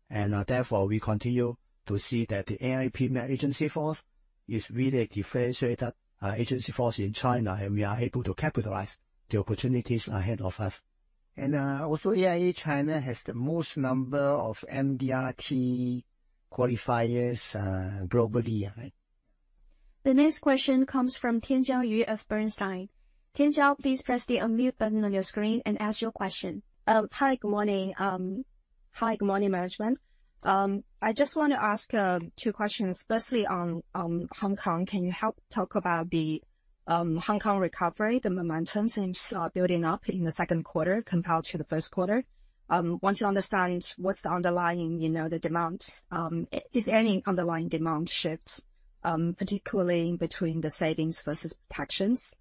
S6: And therefore, we continue to see that the AIA agency force is really a differentiated agency force in China, and we are able to capitalize the opportunities ahead of us.
S1: Also AIA China has the most number of MDRT qualifiers globally.
S4: The next question comes from Tianjiao Yu of Bernstein. Tianjiao, please press the unmute button on your screen and ask your question.
S10: Hi, good morning. Hi, good morning, management. I just want to ask two questions, firstly on Hong Kong. Can you help talk about the Hong Kong recovery? The momentum seems building up in the second quarter compared to the first quarter. Want to understand what's the underlying, you know, the demand. Is any underlying demand shifts, particularly between the savings versus protections?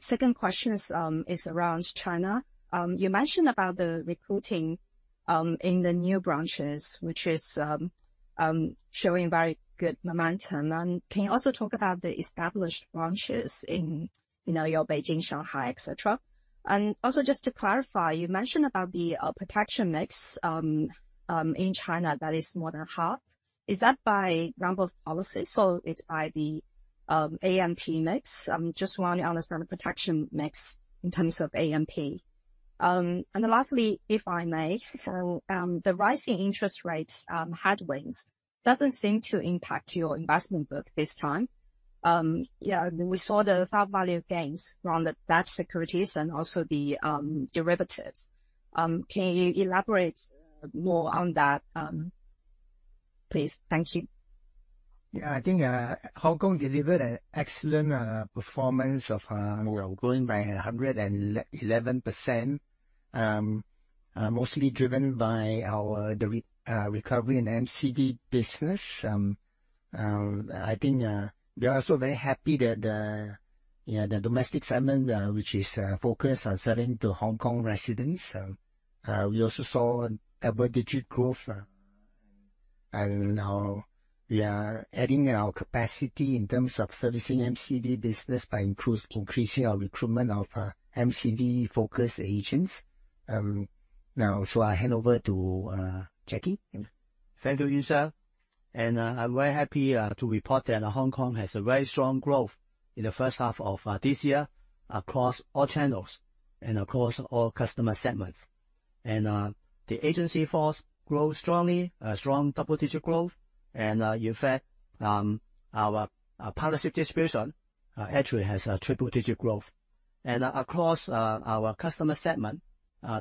S10: Second question is around China. You mentioned about the recruiting in the new branches, which is showing very good momentum. Can you also talk about the established branches in, you know, your Beijing, Shanghai, et cetera? And also, just to clarify, you mentioned about the protection mix in China that is more than half. Is that by number of policies or it's by the AMP mix? Just want to understand the protection mix in terms of AMP. And then lastly, if I may, the rising interest rates headwinds doesn't seem to impact your investment book this time. Yeah, we saw the fair value gains from the debt securities and also the derivatives. Can you elaborate more on that, please? Thank you.
S1: Yeah, I think Hong Kong delivered an excellent performance of growing by 111%. Mostly driven by our, the recovery in MCV business. I think we are also very happy that, yeah, the domestic segment, which is focused on selling to Hong Kong residents. We also saw a double-digit growth, and now we are adding our capacity in terms of servicing MCV business by increasing our recruitment of MCV-focused agents. Now, so I hand over to Jacky.
S6: Thank you, Yuan Siong. I'm very happy to report that Hong Kong has a very strong growth in the first half of this year across all channels and across all customer segments. The agency force grows strongly, a strong double-digit growth. In fact, our policy distribution actually has a triple-digit growth. Across our customer segment,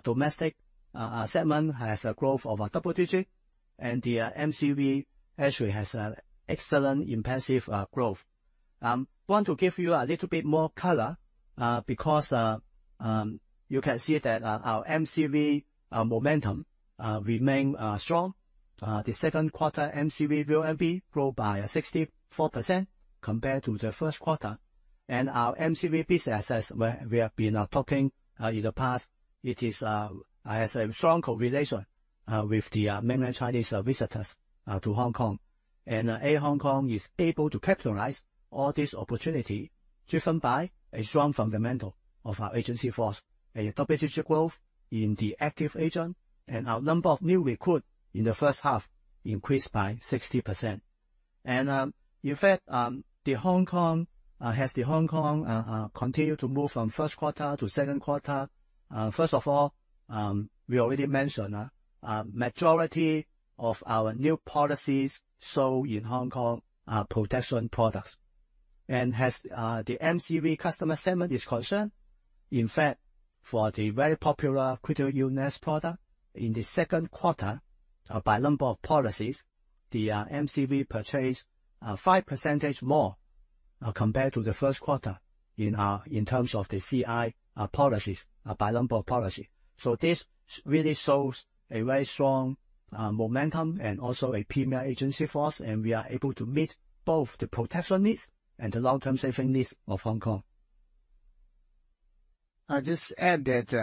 S6: domestic segment has a growth of a double-digit, and the MCV actually has an excellent, impressive growth. Want to give you a little bit more color, because you can see that our MCV momentum remain strong. The second quarter MCV VMP grew by 64% compared to the first quarter. Our MCV business, as we have been talking in the past, has a strong correlation with the mainland Chinese visitors to Hong Kong. Hong Kong is able to capitalize all this opportunity, driven by a strong fundamental of our agency force, a double-digit growth in the active agent, and our number of new recruit in the first half increased by 60%. In fact, Hong Kong has continued to move from first quarter to second quarter. First of all, we already mentioned majority of our new policies sold in Hong Kong are protection products. As the MCV customer segment is concerned, in fact, for the very popular critical illness product, in the second quarter, by number of policies, the MCV purchased 5% more compared to the first quarter in terms of the CI policies by number of policy. So this really shows a very strong momentum and also a premier agency force, and we are able to meet both the protection needs and the long-term saving needs of Hong Kong.
S1: I'll just add that,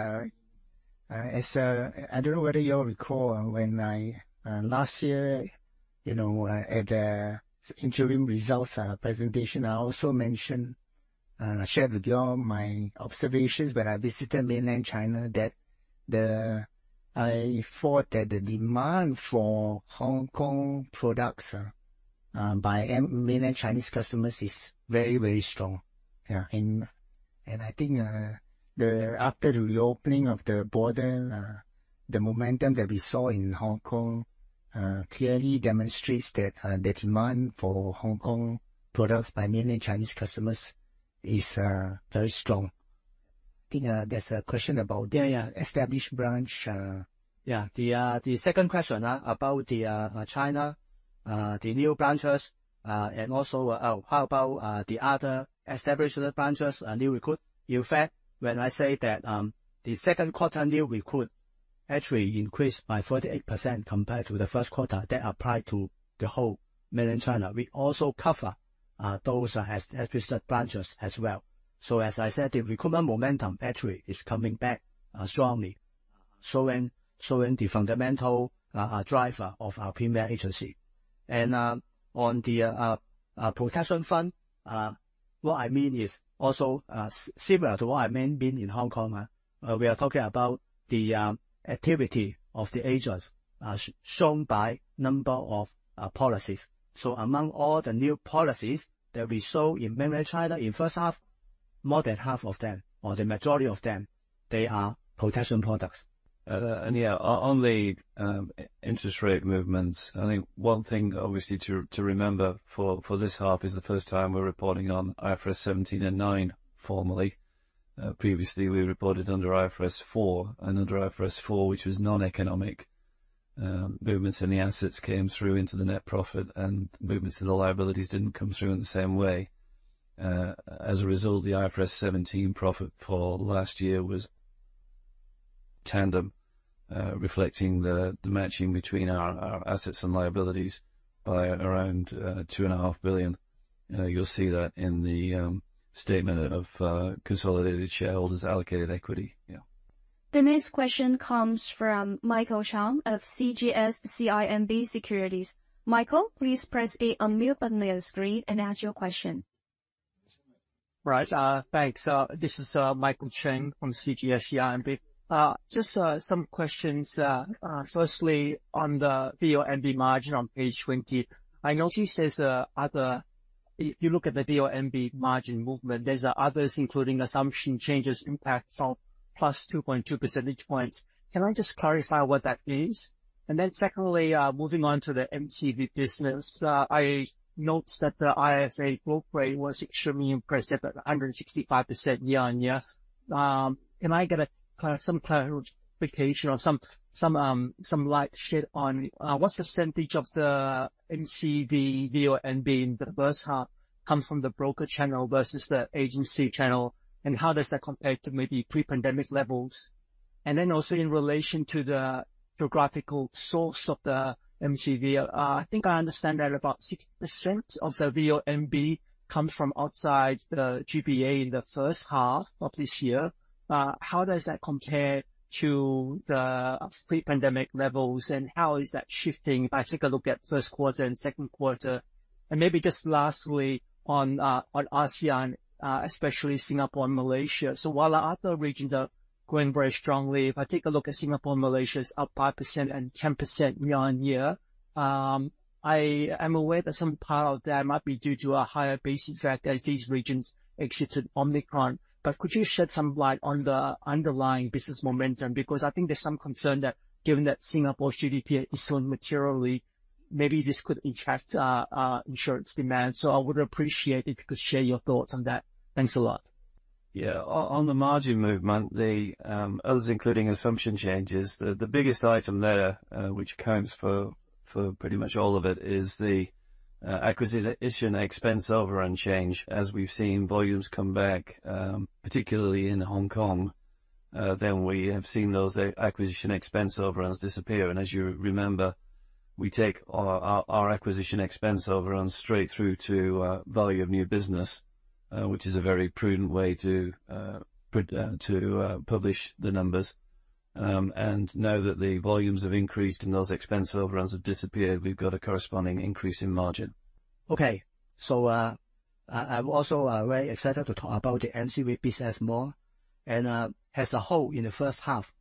S1: I don't know whether you all recall when I, last year, you know, at the interim results presentation, I also mentioned, shared with you all my observations when I visited Mainland China, that the, I thought that the demand for Hong Kong products, by mainland Chinese customers is very, very strong. Yeah, and, and I think, the, after the reopening of the border, the momentum that we saw in Hong Kong, clearly demonstrates that, the demand for Hong Kong products by mainland Chinese customers is, very strong. I think, there's a question about the established branch.
S6: Yeah. The second question about the China, the new branches, and also, how about the other established branches, new recruit? In fact, when I say that, the second quarter new recruit actually increased by 48% compared to the first quarter, that applied to the whole Mainland China. We also cover those established branches as well. So as I said, the recruitment momentum actually is coming back strongly, showing the fundamental driver of our premier agency. And on the protection front, what I mean is also similar to what I mean in Hong Kong, we are talking about the activity of the agents, shown by number of policies. Among all the new policies that we saw in Mainland China in first half, more than half of them, or the majority of them, they are protection products.
S2: And yeah, on the interest rate movements, I think one thing obviously to remember for this half is the first time we're reporting on IFRS 17 and 9 formally. Previously, we reported under IFRS 4, and under IFRS 4, which was non-economic, movements in the assets came through into the net profit, and movements in the liabilities didn't come through in the same way. As a result, the IFRS 17 profit for last year was dampened, reflecting the matching between our assets and liabilities by around $2.5 billion. You'll see that in the statement of consolidated shareholders' allocated equity.
S4: The next question comes from Michael Cheng of CGS-CIMB Securities. Michael, please press the unmute button on your screen and ask your question. Right. Thanks. This is Michael Cheng from CGS-CIMB. Just some questions. Firstly, on the VONB margin on page 20, I notice there's other—if you look at the VONB margin movement, there's others, including assumption changes, impact from +2.2 percentage points. Can I just clarify what that means? And then secondly, moving on to the MCV business, I note that the IFA growth rate was extremely impressive, at 165% year-on-year. Can I get some clarification or some, some, some light shed on what percentage of the MCV VONB in the first half comes from the broker channel versus the agency channel? And how does that compare to maybe pre-pandemic levels?
S11: And then also in relation to the geographical source of the MCV, I think I understand that about 60% of the VONB comes from outside the GBA in the first half of this year. How does that compare to the pre-pandemic levels, and how is that shifting if I take a look at first quarter and second quarter? And maybe just lastly, on, on ASEAN, especially Singapore and Malaysia. So while the other regions are growing very strongly, if I take a look at Singapore and Malaysia, it's up 5% and 10% year-on-year. I am aware that some part of that might be due to a higher basis factor as these regions exited Omicron. But could you shed some light on the underlying business momentum? Because I think there's some concern that given that Singapore's GDP is still materially, maybe this could impact insurance demand. So I would appreciate it if you could share your thoughts on that. Thanks a lot.
S2: Yeah. On the margin movement, the others, including assumption changes, the biggest item there, which accounts for pretty much all of it, is the acquisition expense overrun change. As we've seen, volumes come back, particularly in Hong Kong, then we have seen those acquisition expense overruns disappear. And as you remember, we take our acquisition expense overrun straight through to value of new business, which is a very prudent way to publish the numbers. And now that the volumes have increased and those expense overruns have disappeared, we've got a corresponding increase in margin.
S6: Okay. So, I'm also very excited to talk about the MCV business more. And, as a whole, in the first half,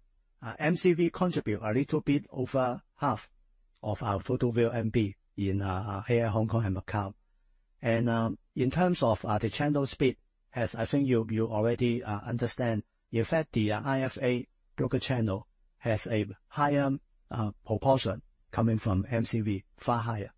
S6: MCV contribute a little bit over half of our total VONB in AIA Hong Kong and Macau. And, in terms of the channel speed, as I think you already understand, in fact, the IFA broker channel has a higher proportion coming from MCV, far higher.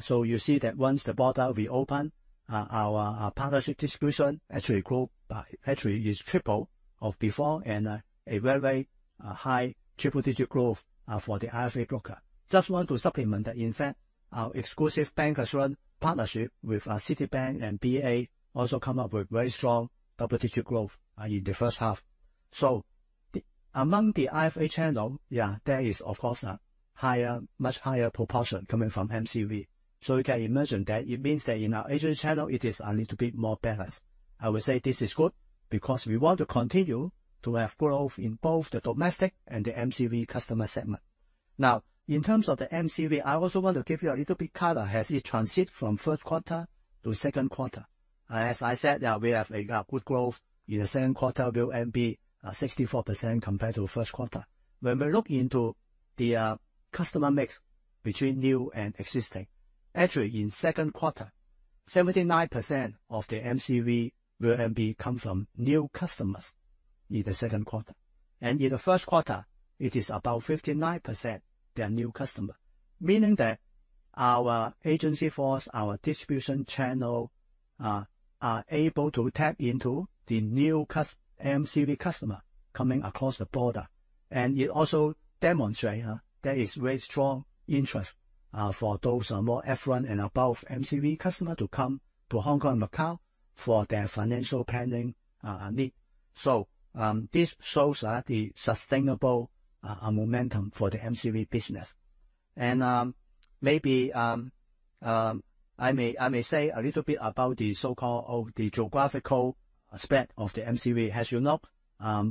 S6: So you see that once the border reopen, our partnership distribution actually grew by... actually, it's triple of before and a very, very high triple digit growth for the IFA broker. Just want to supplement that, in fact, our exclusive bank insurance partnership with Citibank and BEA also come up with very strong double-digit growth in the first half. So among the IFA channel, yeah, there is of course a higher, much higher proportion coming from MCV. So you can imagine that it means that in our agency channel, it is a little bit more balanced. I would say this is good, because we want to continue to have growth in both the domestic and the MCV customer segment. Now, in terms of the MCV, I also want to give you a little bit color as it transitions from first quarter to second quarter. As I said, we have a good growth in the second quarter, VONB, 64% compared to first quarter. When we look into the customer mix between new and existing, actually, in second quarter, 79% of the MCV VONB come from new customers in the second quarter. In the first quarter, it is about 59%, they are new customer. Meaning that our agency force, our distribution channel, are able to tap into the new MCV customer coming across the border. And it also demonstrate there is very strong interest for those more affluent and above MCV customer to come to Hong Kong and Macau for their financial planning need. So, this shows the sustainable momentum for the MCV business. And, maybe, I may say a little bit about the so-called of the geographical aspect of the MCV. As you know,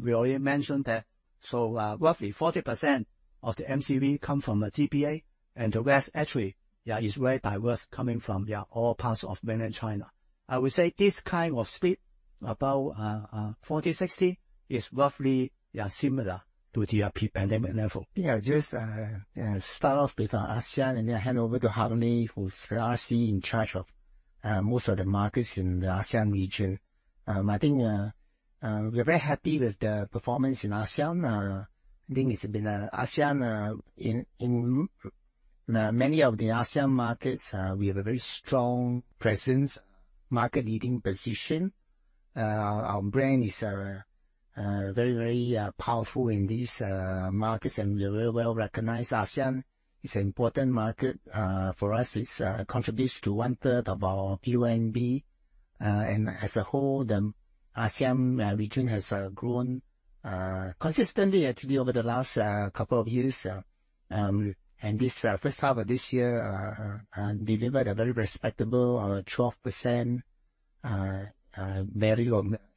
S6: we already mentioned that, so roughly 40% of the MCV come from the GBA, and the rest actually is very diverse, coming from all parts of Mainland China. I would say this kind of split, about 40/60, is roughly, yeah, similar to the pre-pandemic level.
S1: Yeah, just start off with ASEAN and then hand over to Hak Leh who's RC in charge of most of the markets in the ASEAN region. I think we're very happy with the performance in ASEAN. I think it's been ASEAN in-... Many of the ASEAN markets, we have a very strong presence, market-leading position. Our brand is very, very powerful in these markets, and we are very well-recognized. ASEAN is an important market for us. It contributes to one-third of our VONB. And as a whole, the ASEAN region has grown consistently actually over the last couple of years. And this first half of this year delivered a very respectable 12%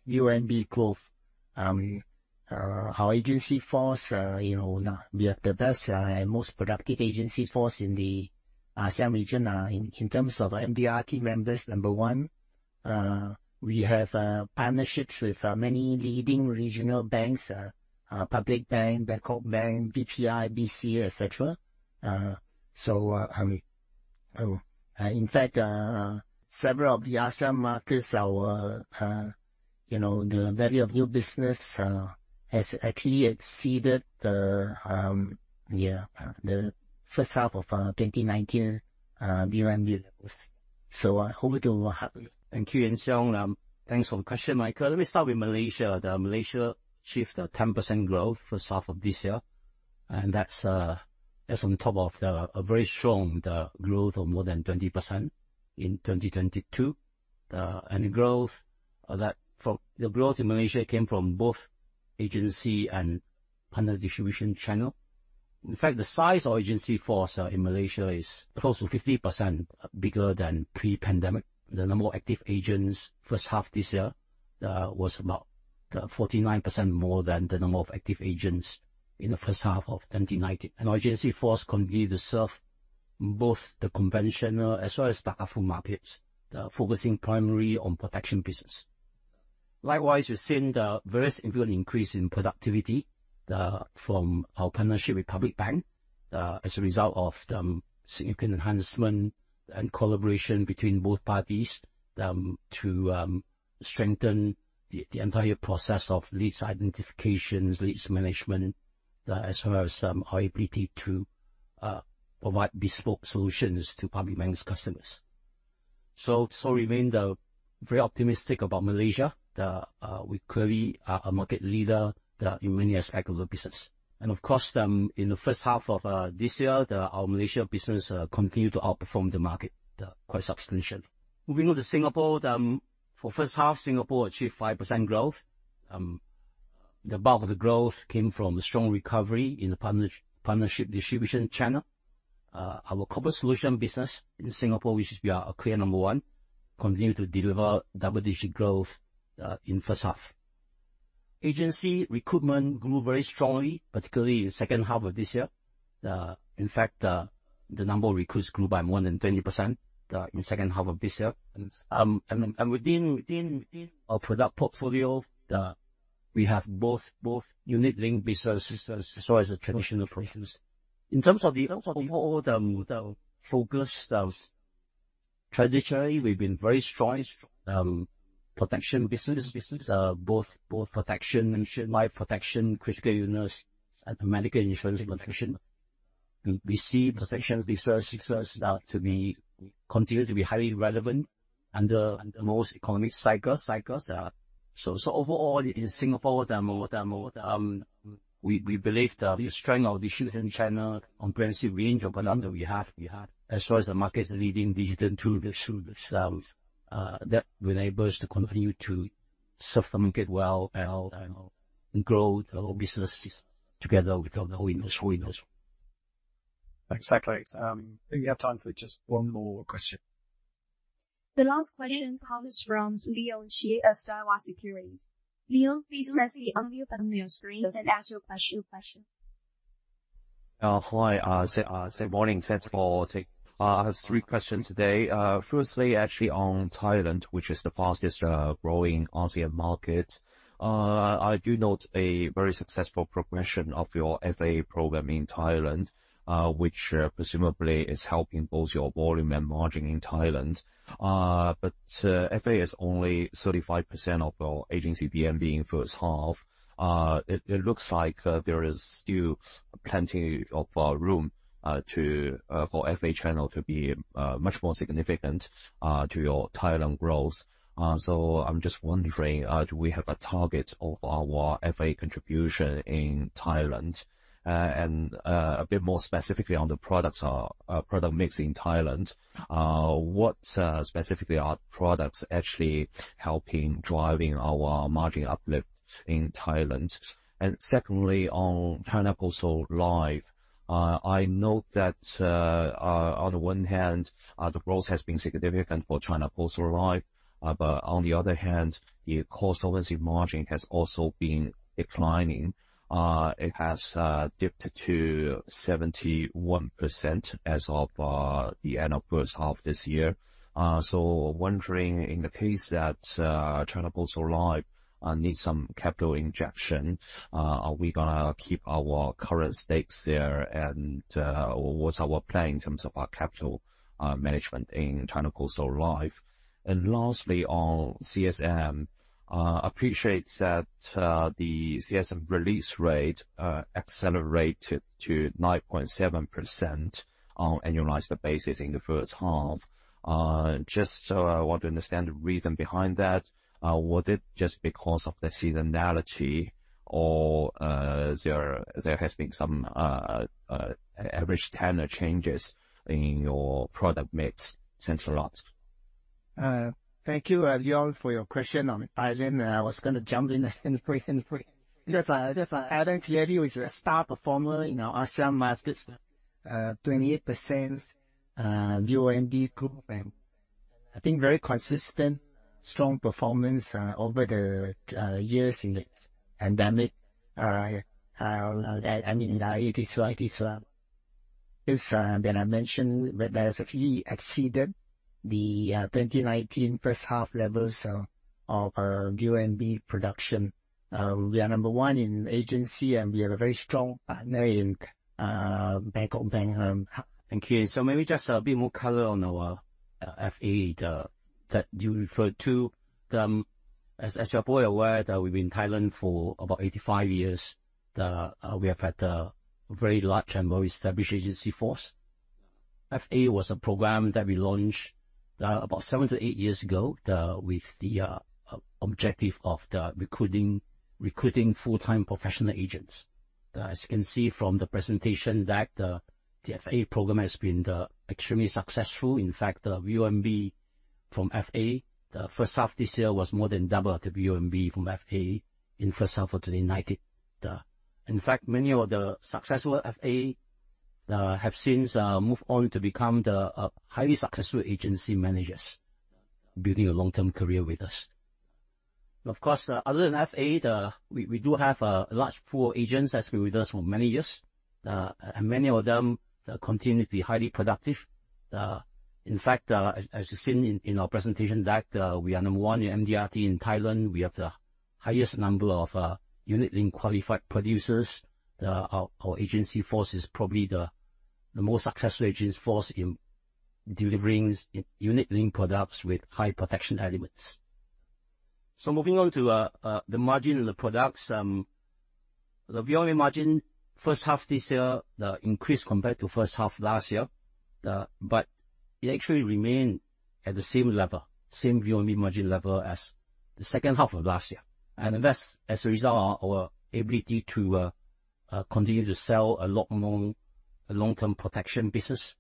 S1: VONB growth. Our agency force, you know, we have the best and most productive agency force in the ASEAN region, in terms of MDRT members, number one. We have partnerships with many leading regional banks, Public Bank, Bangkok Bank, BPI, BCA, et cetera. So, in fact, several of the ASEAN markets are, you know, the value of new business has actually exceeded the first half of 2019 VNB levels. So I hope it will help.
S2: Thank you, Yuan Siong. Thanks for the question, Michael. Let me start with Malaysia. Malaysia achieved a 10% growth first half of this year, and that's on top of a very strong growth of more than 20% in 2022. And the growth in Malaysia came from both agency and partner distribution channel. In fact, the size of agency force in Malaysia is close to 50% bigger than pre-pandemic. The number of active agents, first half this year, was about 49% more than the number of active agents in the first half of 2019. And our agency force continued to serve both the conventional as well as Takaful markets, focusing primarily on protection business. Likewise, we've seen the various improved increase in productivity from our partnership with Public Bank as a result of the significant enhancement and collaboration between both parties to strengthen the entire process of leads identifications, leads management, as well as our ability to provide bespoke solutions to Public Bank's customers. So remain very optimistic about Malaysia. We clearly are a market leader in many aspects of the business. Of course, in the first half of this year, our Malaysia business continued to outperform the market quite substantially. Moving on to Singapore, for first half, Singapore achieved 5% growth. The bulk of the growth came from strong recovery in the partnership distribution channel. Our corporate solutions business in Singapore, which we are a clear number one, continued to deliver double-digit growth in first half. Agency recruitment grew very strongly, particularly in the second half of this year. In fact, the number of recruits grew by more than 20% in the second half of this year. And within our product portfolio, we have both unit-linked businesses as well as the traditional products. In terms of the overall focus, traditionally, we've been very strong protection business. Businesses are both protection, life protection, critical illness, and medical insurance protection. We see protection business seems to be continue to be highly relevant under most economic cycles. So overall, in Singapore, we believe the strength of the agency channel, comprehensive range of products that we have, as well as the market's leading digital tools, that will enable us to continue to serve the market well and grow the business together with our partners. Exactly. I think we have time for just one more question.
S4: The last question comes from Leon Qi of Daiwa Securities. Leon, please press the unmute button on your screen and ask your question.
S12: Hi, so, morning, thanks for taking. I have three questions today. Firstly, actually on Thailand, which is the fastest growing ASEAN market. I do note a very successful progression of your FA program in Thailand, which presumably is helping both your volume and margin in Thailand. But, FA is only 35% of our agency PNB in first half. It looks like there is still plenty of room for FA channel to be much more significant to your Thailand growth. So I'm just wondering, do we have a target of our FA contribution in Thailand? And, a bit more specifically on the products, product mix in Thailand, what specifically are products actually helping driving our margin uplift in Thailand? And secondly, on China Post Life, I note that, on the one hand, the growth has been significant for China Post Life, but on the other hand, the cost-efficiency margin has also been declining. It has dipped to 71% as of the end of first half this year. So wondering, in the case that China Post Life needs some capital injection, are we gonna keep our current stakes there? And, what's our plan in terms of our capital management in China Post Life? And lastly, on CSM, appreciate that the CSM release rate accelerated to 9.7% on annualized basis in the first half. Just so I want to understand the reason behind that. Was it just because of the seasonality?... or, there has been some average tenure changes in your product mix since the last?
S1: Thank you, Leon, for your question on Thailand. I was gonna jump in and break in. Because Thailand clearly was a star performer in our ASEAN markets. 28% VONB group, and I think very consistent, strong performance over the years in the pandemic. I mean, it is what it is. As Ben, I mentioned, that has actually exceeded the 2019 first half levels of our VONB production. We are number one in agency, and we have a very strong partner in Bangkok Bank.
S2: Thank you. So maybe just a bit more color on our FA that you referred to. As you're fully aware, we've been in Thailand for about 85 years. We have had a very large and well-established agency force. FA was a program that we launched about 7-8 years ago with the objective of recruiting full-time professional agents. As you can see from the presentation, the FA program has been extremely successful. In fact, the VONB from FA in the first half this year was more than double the VONB from FA in the first half of 2019. In fact, many of the successful FA have since moved on to become highly successful agency managers, building a long-term career with us. Of course, other than FA, we do have a large pool of agents that's been with us for many years, and many of them continue to be highly productive. In fact, as you've seen in our presentation that, we are number one in MDRT in Thailand. We have the highest number of unit linked qualified producers. Our agency force is probably the most successful agency force in delivering unit linked products with high protection elements. So moving on to the margin and the products. The VOM margin, first half this year, the increase compared to first half last year, but it actually remained at the same level, same VOM margin level as the second half of last year. And that's as a result of our ability to continue to sell a lot more long-term protection business,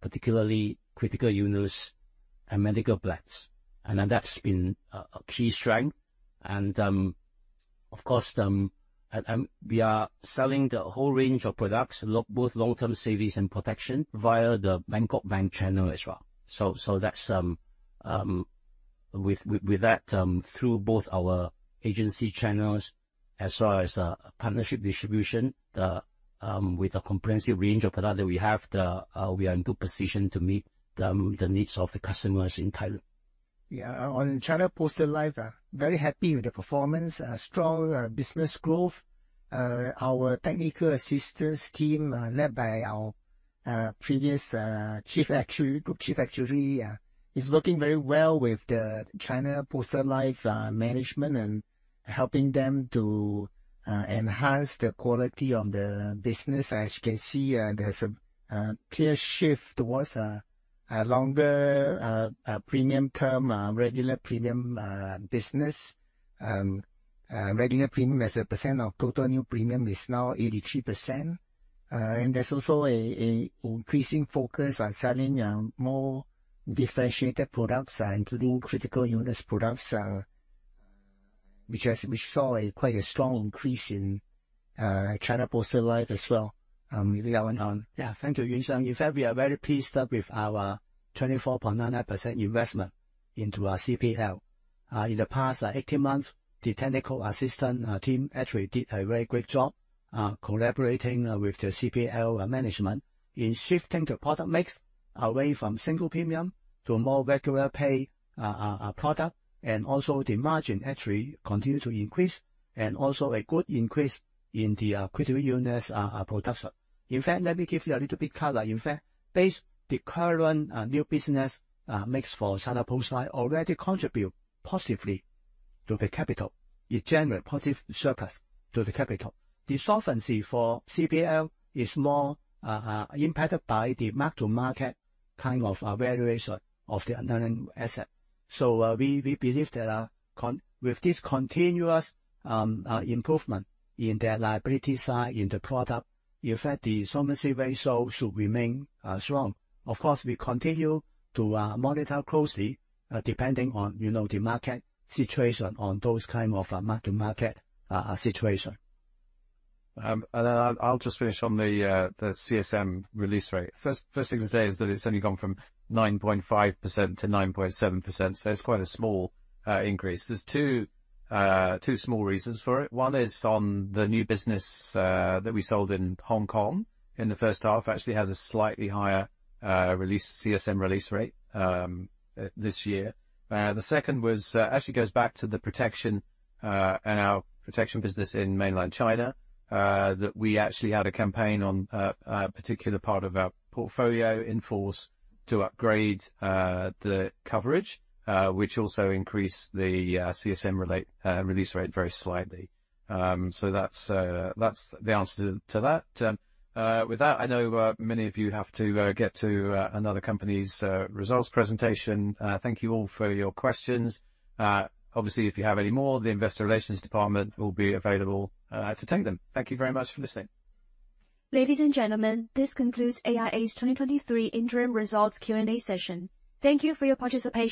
S2: particularly critical illness and medical plans. And that's been a key strength. And, of course, we are selling the whole range of products, both long-term savings and protection, via the Bangkok Bank channel as well. So that's, with that, through both our agency channels as well as partnership distribution, with a comprehensive range of product that we have, we are in good position to meet the needs of the customers in Thailand.
S1: Yeah. On China Post Life, very happy with the performance. Strong business growth. Our technical assistance team, led by our previous Group Chief Actuary, is working very well with the China Post Life management, and helping them to enhance the quality of the business. As you can see, there's a clear shift towards a longer premium term, regular premium business. Regular premium as a percent of total new premium is now 83%. And there's also an increasing focus on selling more differentiated products, including critical illness products, which has... We saw quite a strong increase in China Post Life as well. Moving on.
S6: Yeah. Thank you, Yuan Siong. In fact, we are very pleased with our 24.99% investment into our CPL. In the past 18 months, the technical assistant team actually did a very great job collaborating with the CPL management in shifting the product mix away from single premium to a more regular pay product. Also the margin actually continued to increase, and also a good increase in the critical illness production. In fact, let me give you a little bit color. In fact, based on the current new business mix for China Post Life already contribute positively to the capital. It generate positive surplus to the capital. The solvency for CPL is more impacted by the mark-to-market kind of valuation of the underlying asset. So, we believe that with this continuous improvement in their liability side, in the product, in fact, the solvency ratio should remain strong. Of course, we continue to monitor closely, depending on, you know, the market situation, on those kind of mark-to-market situation.
S2: And then I'll just finish on the CSM release rate. First thing to say is that it's only gone from 9.5% to 9.7%, so it's quite a small increase. There are two small reasons for it. One is on the new business that we sold in Hong Kong in the first half, actually has a slightly higher release CSM release rate this year. The second was, actually goes back to the protection and our protection business in Mainland China, that we actually had a campaign on a particular part of our portfolio in force to upgrade the coverage, which also increased the CSM-related release rate very slightly. So that's the answer to that. With that, I know many of you have to get to another company's results presentation. Thank you all for your questions. Obviously, if you have any more, the investor relations department will be available to take them. Thank you very much for listening.
S4: Ladies and gentlemen, this concludes AIA's 2023 interim results Q&A session. Thank you for your participation.